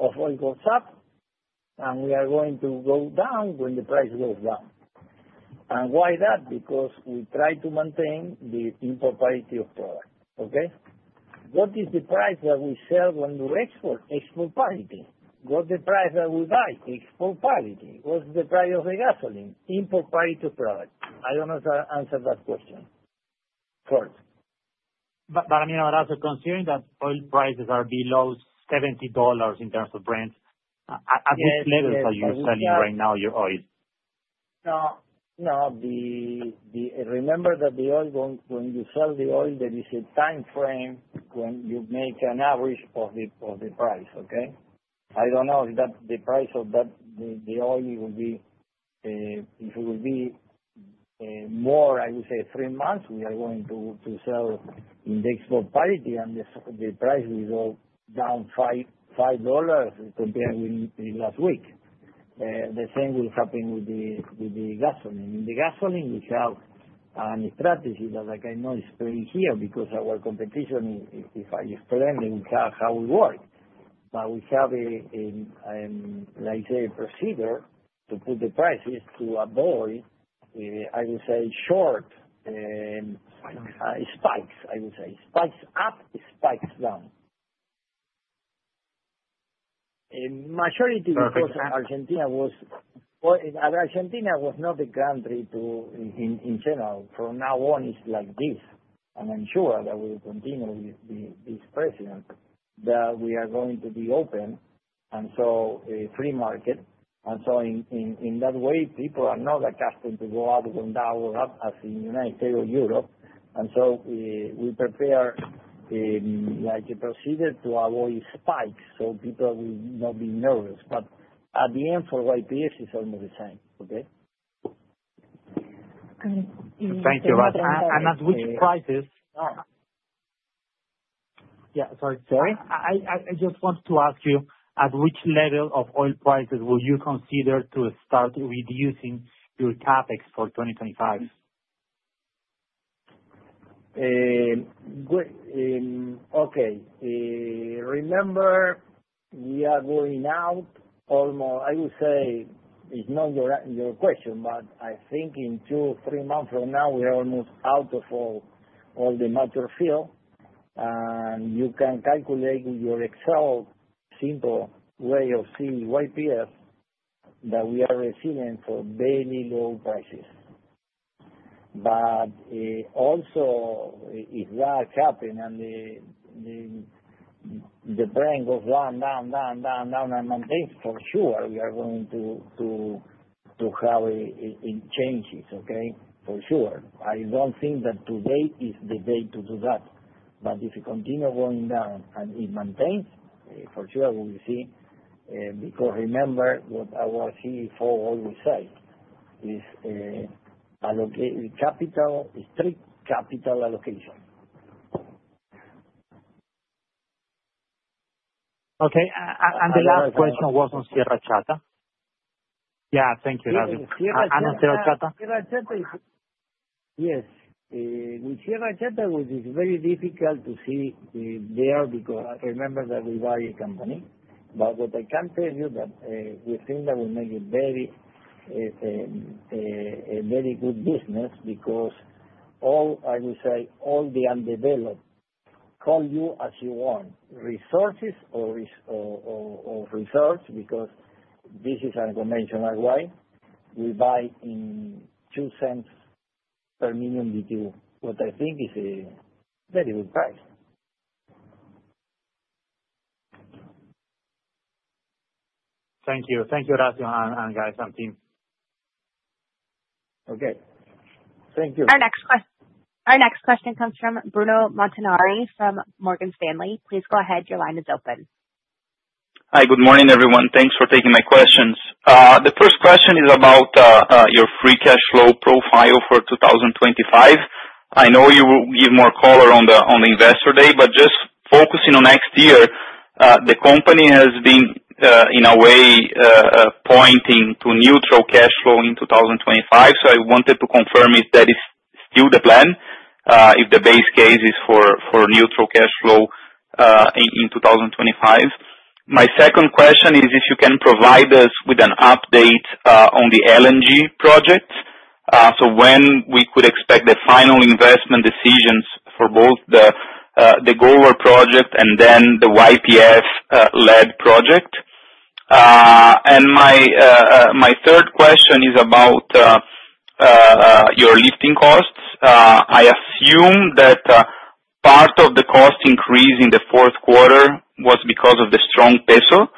S3: oil goes up, and we are going to go down when the price goes down. And why that? Because we try to maintain the import quality of product, okay? What is the price that we sell when we export? Export quality. What's the price that we buy? Export quality. What's the price of the gasoline? Import quality of product. I don't know how to answer that question. Sorry.
S7: I mean, Horacio, considering that oil prices are below $70 in terms of brands, at which levels are you selling right now your oil?
S3: No. No. Remember that the oil, when you sell the oil, there is a time frame when you make an average of the price, okay? I don't know if the price of the oil will be if it will be more, I would say, three months, we are going to sell in the export quality, and the price will go down $5 compared with last week. The same will happen with the gasoline. In the gasoline, we have a strategy that I know is very clear because our competition, if I explain, then we have how we work. We have a, like I say, procedure to put the prices to avoid, I would say, short spikes. I would say spikes up, spikes down. Majority because Argentina was not a country to, in general, from now on, it is like this. I am sure that will continue with this president, that we are going to be open, and free market. In that way, people are not accustomed to go up, go down, go up, as in the United States or Europe. We prepare a procedure to avoid spikes so people will not be nervous. At the end, for YPF, it is almost the same, okay?
S7: Thank you, Horacio. At which prices?
S3: Yeah. Sorry. Sorry?
S7: I just want to ask you, at which level of oil prices will you consider to start reducing your CapEx for 2025?
S3: Okay. Remember, we are going out almost, I would say, it's not your question, but I think in two, three months from now, we are almost out of all the material field. You can calculate with your Excel simple way of seeing YPF that we are receiving for very low prices. Also, if that happens and the Brent goes down, down, down, down, down, and maintains, for sure, we are going to have changes, okay? For sure. I don't think that today is the day to do that. If it continues going down and it maintains, for sure, we will see. Remember what [Horacio Marín] always says is capital is strict capital allocation.
S7: Okay. The last question was on Sierra Chata. Yeah. Thank you, Horacio. And on Sierra Chata? Sierra Chata, yes.
S3: With Sierra Chata, it was very difficult to see there because remember that we buy a company. But what I can tell you that we think that we make a very, very good business because all, I would say, all the undeveloped call you as you want, resources or reserves, because this is unconventional, right? We buy in two cents per million BTU, what I think is a very good price.
S7: Thank you. Thank you, Horacio, and guys, and team.
S1: Okay. Thank you. Our next question comes from Bruno Montanari from Morgan Stanley. Please go ahead. Your line is open.
S8: Hi. Good morning, everyone. Thanks for taking my questions. The first question is about your free cash flow profile for 2025. I know you will give more color on the investor day, but just focusing on next year, the company has been, in a way, pointing to neutral cash flow in 2025. I wanted to confirm if that is still the plan, if the base case is for neutral cash flow in 2025. My second question is if you can provide us with an update on the LNG project, when we could expect the final investment decisions for both the Golar project and then the YPF-led project. My third question is about your lifting costs. I assume that part of the cost increase in the fourth quarter was because of the strong peso.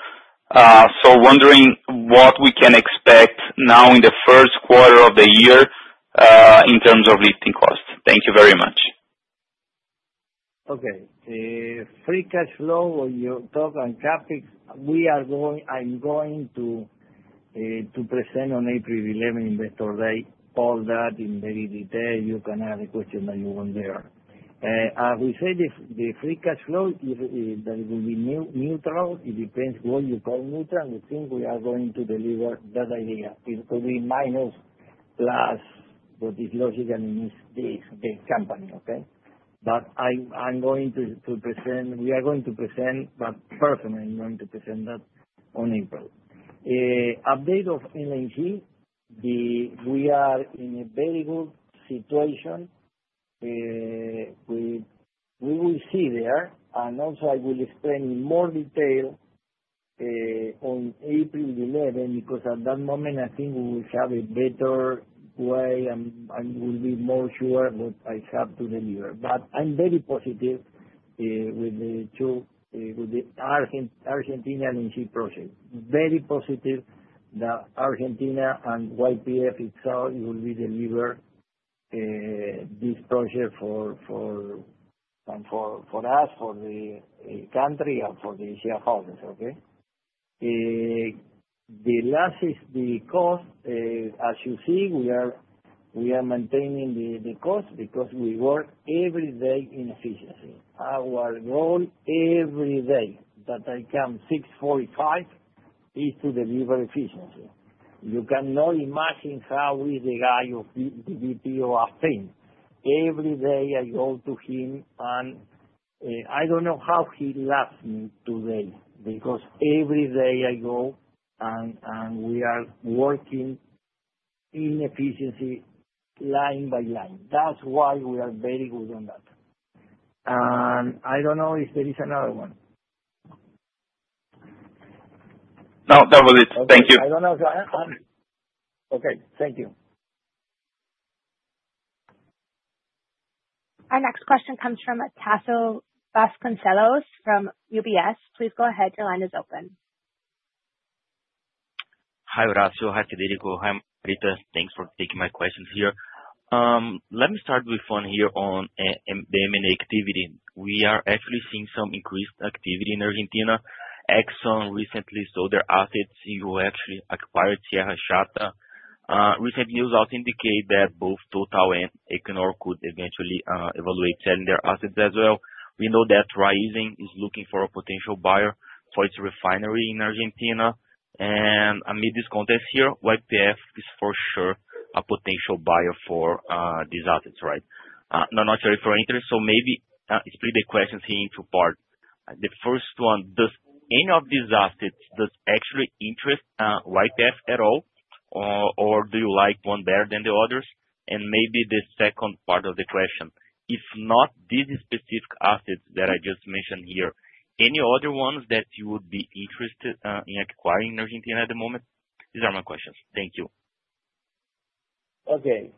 S8: Wondering what we can expect now in the first quarter of the year in terms of lifting costs. Thank you very much..
S3: Okay. Free cash flow when you talk on CapEx, I'm going to present on April 11, Investor Day. All that in very detail. You can ask the question that you want there. As we said, the free cash flow will be neutral. It depends what you call neutral. We think we are going to deliver that idea. It will be minus plus what is logically missed is the company, okay? But I'm going to present we are going to present, but personally, I'm going to present that on April. Update of LNG, we are in a very good situation. We will see there. Also, I will explain in more detail on April 11 because at that moment, I think we will have a better way and will be more sure what I have to deliver. I am very positive with the Argentina-LNG project. Very positive that Argentina and YPF itself will deliver this project for us, for the country, and for the Sierra Falls, okay? The last is the cost. As you see, we are maintaining the cost because we work every day in efficiency. Our goal every day that I come 6:45 is to deliver efficiency. You cannot imagine how is the guy of the [BPO of Spain]. Every day, I go to him, and I do not know how he loves me today because every day I go and we are working in efficiency line by line. That is why we are very good on that. I do not know if there is another one.
S8: No, that was it. Thank you. I do not know. Okay.
S1: Thank you. Our next question comes from Tasso Vasconcellos from UBS. Please go ahead. Your line is open.
S9: Hi, Horacio. Hi, Federico. Hi, Margarita. Thanks for taking my questions here. Let me start with one here on the M&A activity. We are actually seeing some increased activity in Argentina. Exxon recently sold their assets and actually acquired Sierra Chata. Recent news also indicate that both Total and Equinor could eventually evaluate selling their assets as well. We know that Raizen is looking for a potential buyer for its refinery in Argentina. Amid this contest here, YPF is for sure a potential buyer for these assets, right? No, not sure if you're interested. Maybe split the questions here into parts. The first one, does any of these assets actually interest YPF at all, or do you like one better than the others? Maybe the second part of the question, if not these specific assets that I just mentioned here, any other ones that you would be interested in acquiring in Argentina at the moment? These are my questions. Thank you.
S3: Okay.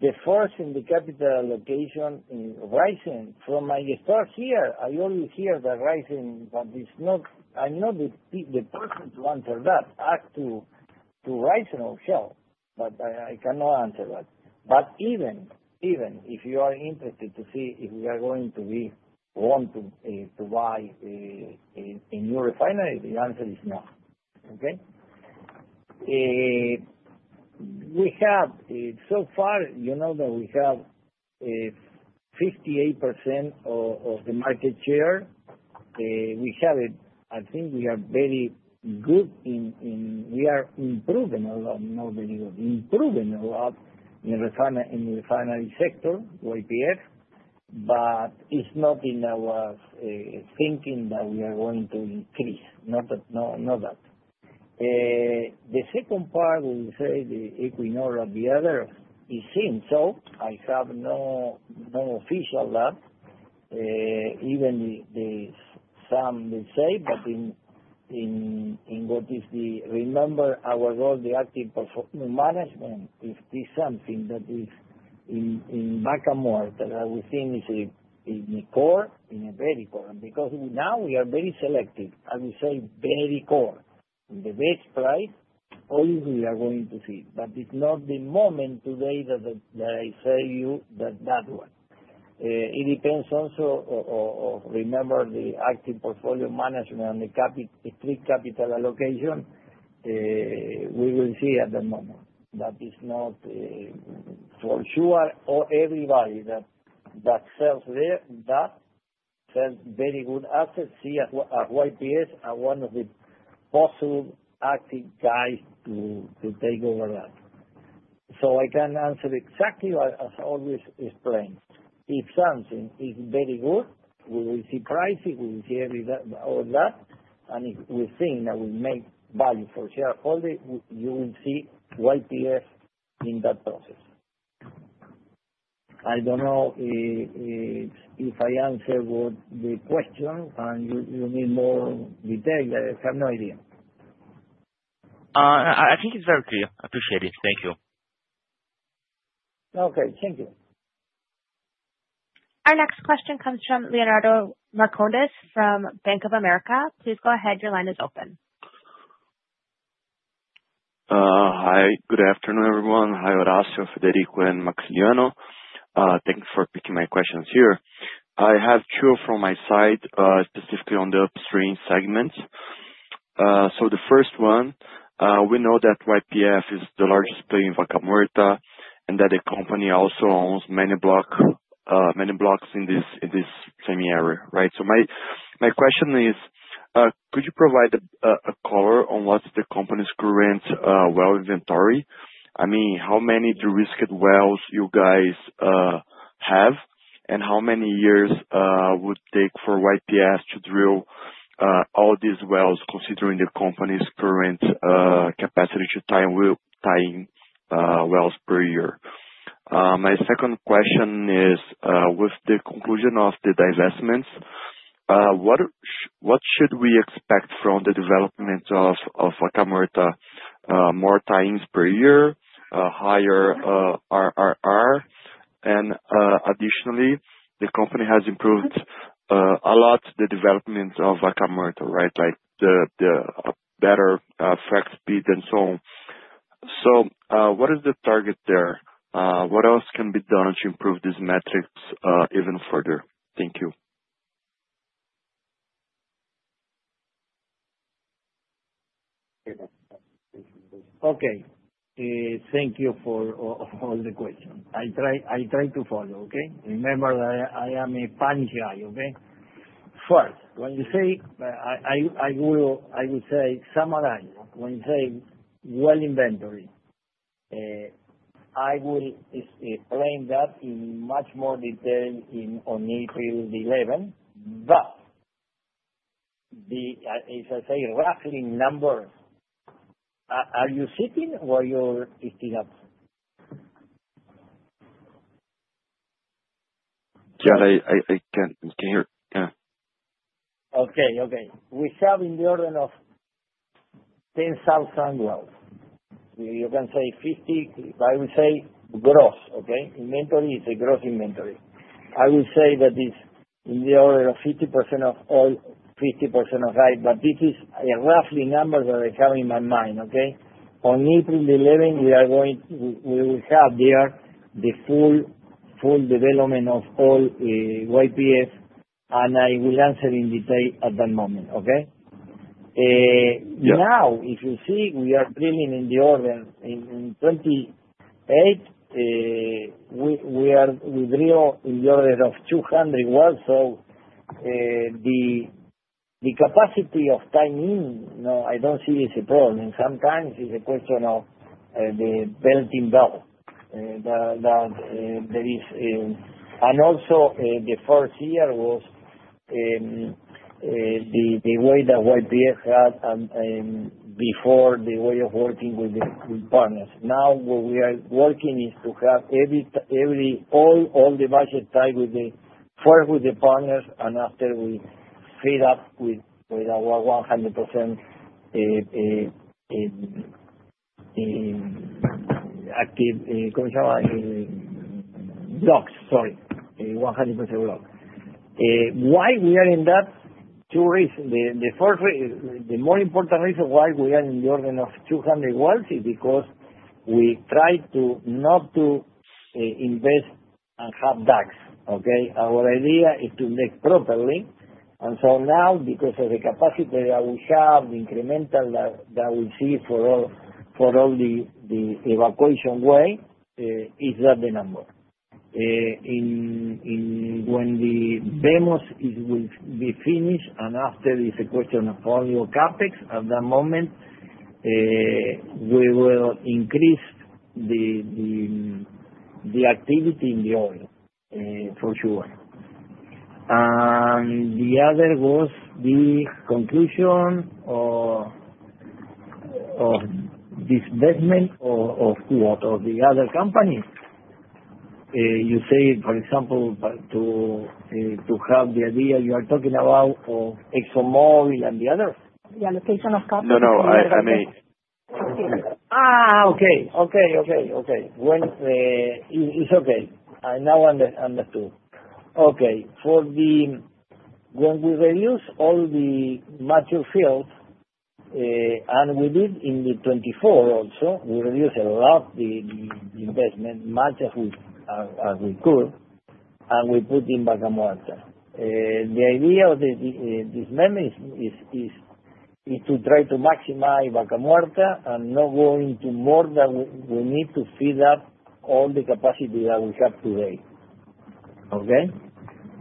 S3: The first in the capital allocation in Raizen, [from my start here], I always hear that Raizen, but I'm not the person to answer that. Ask to Raizen or Shell, but I cannot answer that. Even if you are interested to see if we are going to want to buy a new refinery, the answer is no, okay? We have so far, you know that we have 58% of the market share. We have it. I think we are very good in, we are improving a lot, not very good, improving a lot in the refinery sector, YPF, but it's not in our thinking that we are going to increase. Not that. The second part, we say the Equinor or the other, it seems so. I have no official that. Even some will say, but in what is the, remember our role, the active performance management, if there's something that is in Vaca Muerta that I would think is in the core, in a very core. And because now we are very selective, I would say very core. The base price, always we are going to see. But it's not the moment today that I say you that that one. It depends also on, remember, the active portfolio management and the strict capital allocation. We will see at that moment. That is not for sure. Everybody that sells there, that sells very good assets, see YPF as one of the possible active guys to take over that. I cannot answer exactly, but as always explained, if something is very good, we will see pricing, we will see all that. If we think that we make value for Sierra Falls, you will see YPF in that process. I do not know if I answered the question and you need more detail. I have no idea.
S9: I think it is very clear. Appreciate it. Thank you. Okay.
S3: Thank you.
S1: Our next question comes from Leonardo Marcondes from Bank of America. Please go ahead. Your line is open.
S10: Hi. Good afternoon, everyone. Hi, Horacio, Federico, and Maximiliano. Thank you for picking my questions here. I have two from my side, specifically on the upstream segments. The first one, we know that YPF is the largest player in Vaca Muerta and that the company also owns many blocks in this same area, right? My question is, could you provide a color on what's the company's current well inventory? I mean, how many drill-ready wells you guys have and how many years would it take for YPF to drill all these wells, considering the company's current capacity to tie-in wells per year? My second question is, with the conclusion of the divestments, what should we expect from the development of Vaca Muerta? More tie-ins per year, higher RRR, and additionally, the company has improved a lot, the development of Vaca Muerta, right? Like the better frac speed and so on. What is the target there? What else can be done to improve these metrics even further? Thank you. Okay.
S3: Thank you for all the questions. I try to follow, okay? Remember that I am a [guy], okay? First, when you say I will say summarize, when you say well inventory, I will explain that in much more detail on April 11. As I say, roughly in numbers, are you sitting or you're eating up?
S10: Yeah, I can hear.
S3: Yeah. Okay. Okay. We have in the order of 10,000 wells. You can say 50, but I would say gross, okay? Inventory is a gross inventory. I would say that it's in the order of 50% of oil, 50% of [light], but this is a roughly number that I have in my mind, okay? On April 11, we will have there the full development of all YPF, and I will answer in detail at that moment, okay? Now, if you see, we are drilling in the order in 2028, we drill in the order of 200 wells. The capacity of time in, no, I do not see it as a problem. Sometimes it is a question of the [belt and belt] that there is. Also, the first year was the way that YPF had before, the way of working with the partners. Now, what we are working is to have all the budget tied with the first with the partners, and after we fill up with our 100% blocks, sorry, 100% blocks. Why we are in that? Two reasons. The more important reason why we are in the order of 200 wells is because we try not to invest and have ducks, okay? Our idea is to make properly. Now, because of the capacity that we have, the incremental that we see for all the evacuation way, it's not the number. When the demos will be finished, and after it's a question of oil or CapEx, at that moment, we will increase the activity in the oil, for sure. The other was the conclusion of this investment of the other company. You say, for example, to have the idea you are talking about of Exxonmobil and the others? The allocation of CapEx.
S10: No, no. I mean.
S3: Okay. Okay. Okay. Okay. It's okay. I now understood. Okay. When we reduce all the mature fields, and we did in 2024 also, we reduced a lot the investment, much as we could, and we put in Vaca Muerta. The idea of this memory is to try to maximize Vaca Muerta and not going to more than we need to fill up all the capacity that we have today,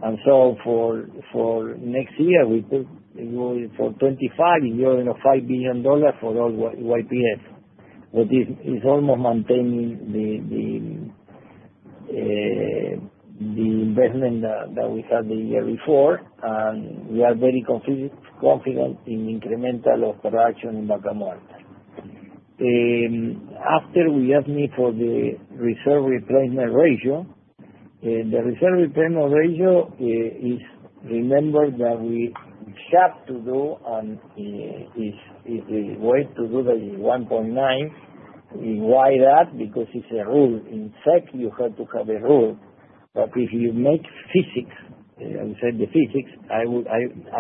S3: okay? For next year, we put for 2025, you're in a $5 billion for all YPF, which is almost maintaining the investment that we had the year before, and we are very confident in incremental of production in Vaca Muerta. After we admit for the reserve replacement ratio, the reserve replacement ratio is, remember that we have to do, and it's the way to do the 1.9. Why that? Because it's a rule. In fact, you have to have a rule. If you make physics, I will say the physics, I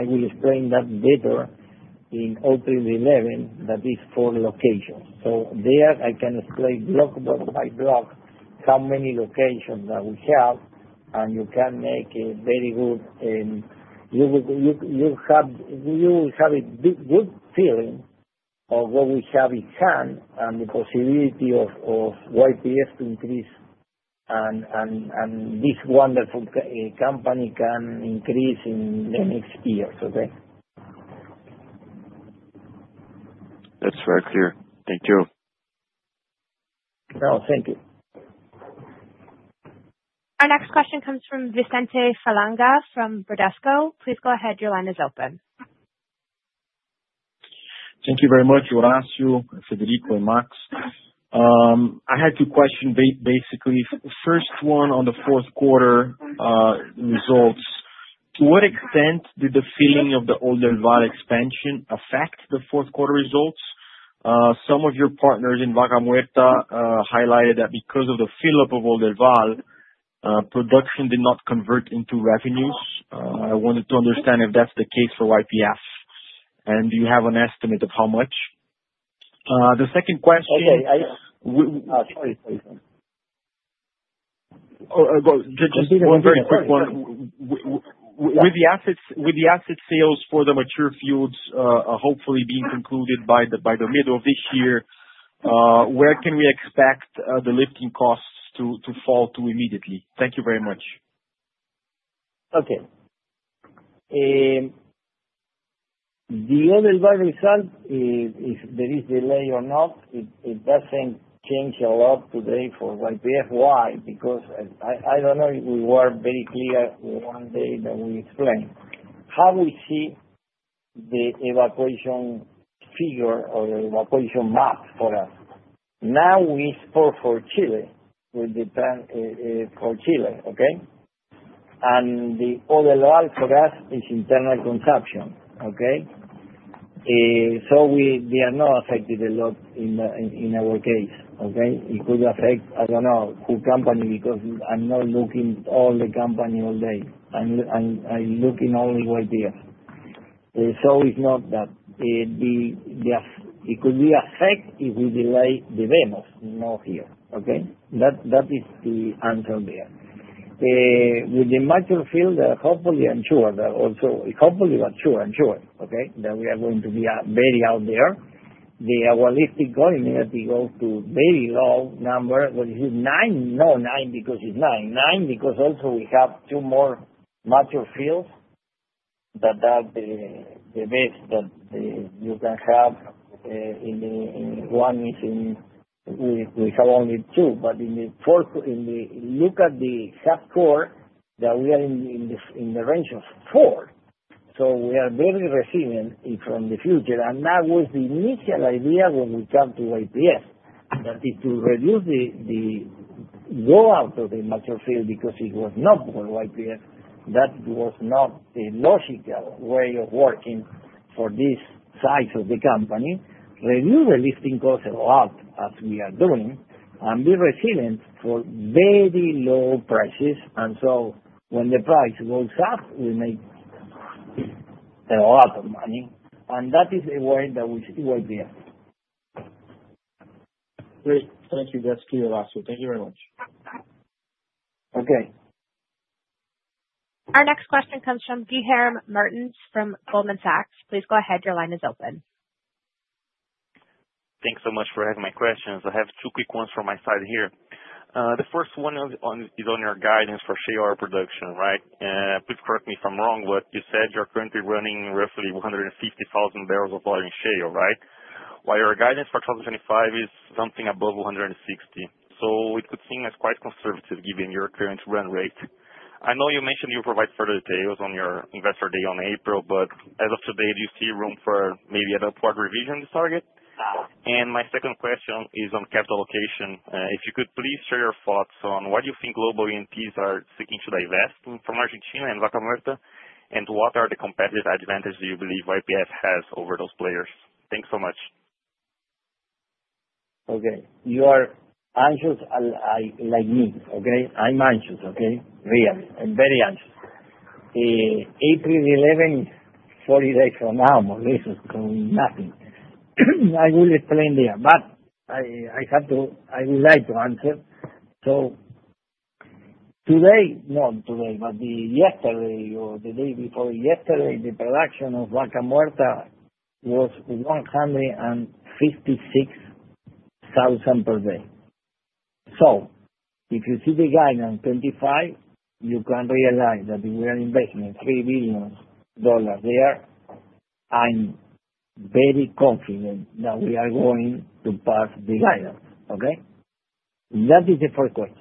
S3: will explain that later in April 11, that is for locations. There, I can explain block by block how many locations that we have, and you can make a very good, you will have a good feeling of what we have in hand and the possibility of YPF to increase, and this wonderful company can increase in the next years, okay?
S10: That's very clear. Thank you.
S3: No, thank you.
S1: Our next question comes from Vicente Falanga from Bradesco. Please go ahead. Your line is open.
S11: Thank you very much, Horacio, Federico, and Max. I had two questions, basically. First one on the fourth quarter results. To what extent did the filling of the Oldelval expansion affect the fourth quarter results? Some of your partners in Vaca Muerta highlighted that because of the fill-up of Oldelval, production did not convert into revenues. I wanted to understand if that's the case for YPF, and do you have an estimate of how much? The second question. Okay. Sorry. Sorry. Oh, go ahead. Just one very quick one. With the asset sales for the mature fields hopefully being concluded by the middle of this year, where can we expect the lifting costs to fall to immediately? Thank you very much.
S3: Okay. The Oldelval result, if there is delay or not, it doesn't change a lot today for YPF. Why? Because I don't know if we were very clear one day that we explained how we see the evacuation figure or the evacuation map for us. Now we export for Chile, for Chile, okay? And the Oldelval for us is internal consumption, okay? They are not affected a lot in our case, okay? It could affect, I don't know, who company because I'm not looking all the company all day. I'm looking only YPF. It could be affected if we delay the VMOS, not here, okay? That is the answer there. With the mature field, hopefully I'm sure that also hopefully I'm sure, I'm sure, okay, that we are going to be very out there. Our lifting coordinate goes to very low number, which is nine? No, nine because it's nine. Nine because also we have two more mature fields that are the best that you can have in the one is in we have only two, but in the fourth, look at the [half-core] that we are in the range of four. We are very resilient from the future. That was the initial idea when we came to YPF, that it will reduce the go out of the mature field because it was not for YPF. That was not the logical way of working for this size of the company. Reduce the lifting cost a lot as we are doing, and be resilient for very low prices. When the price goes up, we make a lot of money. That is the way that we see YPF.
S11: Great. Thank you. That is clear, Horacio. Thank you very much.
S3: Okay.
S1: Our next question comes from Guilherme Martins from Goldman Sachs. Please go ahead. Your line is open.
S12: Thanks so much for asking my questions. I have two quick ones from my side here. The first one is on your guidance for shale oil production, right? Please correct me if I'm wrong, but you said you're currently running roughly 150,000 barrels of oil in shale, right? While your guidance for 2025 is something above 160. It could seem as quite conservative given your current run rate. I know you mentioned you'll provide further details on your investor day on April, but as of today, do you see room for maybe an upward revision of this target? My second question is on capital allocation. If you could please share your thoughts on why you think global EMPs are seeking to divest from Argentina and Vaca Muerta, and what are the competitive advantages you believe YPF has over those players? Thanks so much.
S3: You are anxious like me, okay? I'm anxious, okay? Really. I'm very anxious. April 11, 40 days from now, more reasons to nothing. I will explain there, but I would like to answer. Today, not today, but yesterday or the day before yesterday, the production of Vaca Muerta was 156,000 per day. If you see the guidance on 2025, you can realize that we are investing $3 billion there. I'm very confident that we are going to pass the guidance, okay? That is the first question.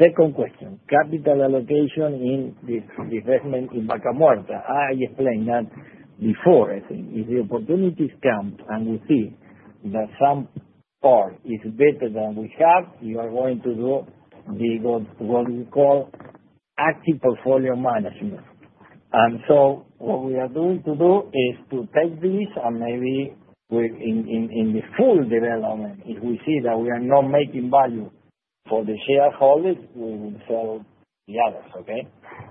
S3: Second question, capital allocation in the investment in Vaca Muerta. I explained that before, I think. If the opportunities come and we see that some part is better than we have, we are going to do what we call active portfolio management. What we are going to do is to take this and maybe in the full development, if we see that we are not making value for the shareholders, we will sell the others, okay?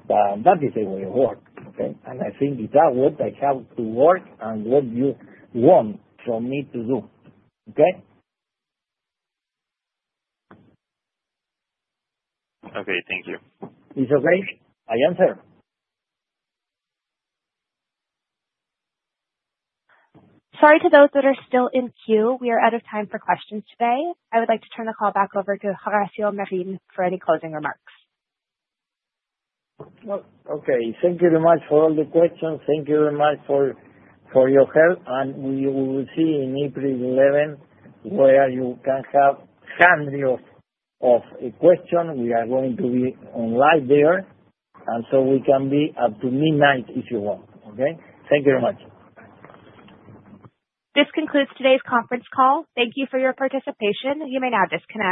S3: That is the way of work, okay? I think that's what I have to work and what you want from me to do, okay? Okay.
S12: Thank you.
S3: It's okay? I answer?
S1: Sorry to those that are still in queue. We are out of time for questions today. I would like to turn the call back over to Horacio Marín for any closing remarks.
S3: Thank you very much for all the questions. Thank you very much for your help. We will see in April 11 where you can have hands of questions. We are going to be on live there. We can be up to midnight if you want, okay? Thank you very much.
S1: This concludes today's conference call. Thank you for your participation. You may now disconnect.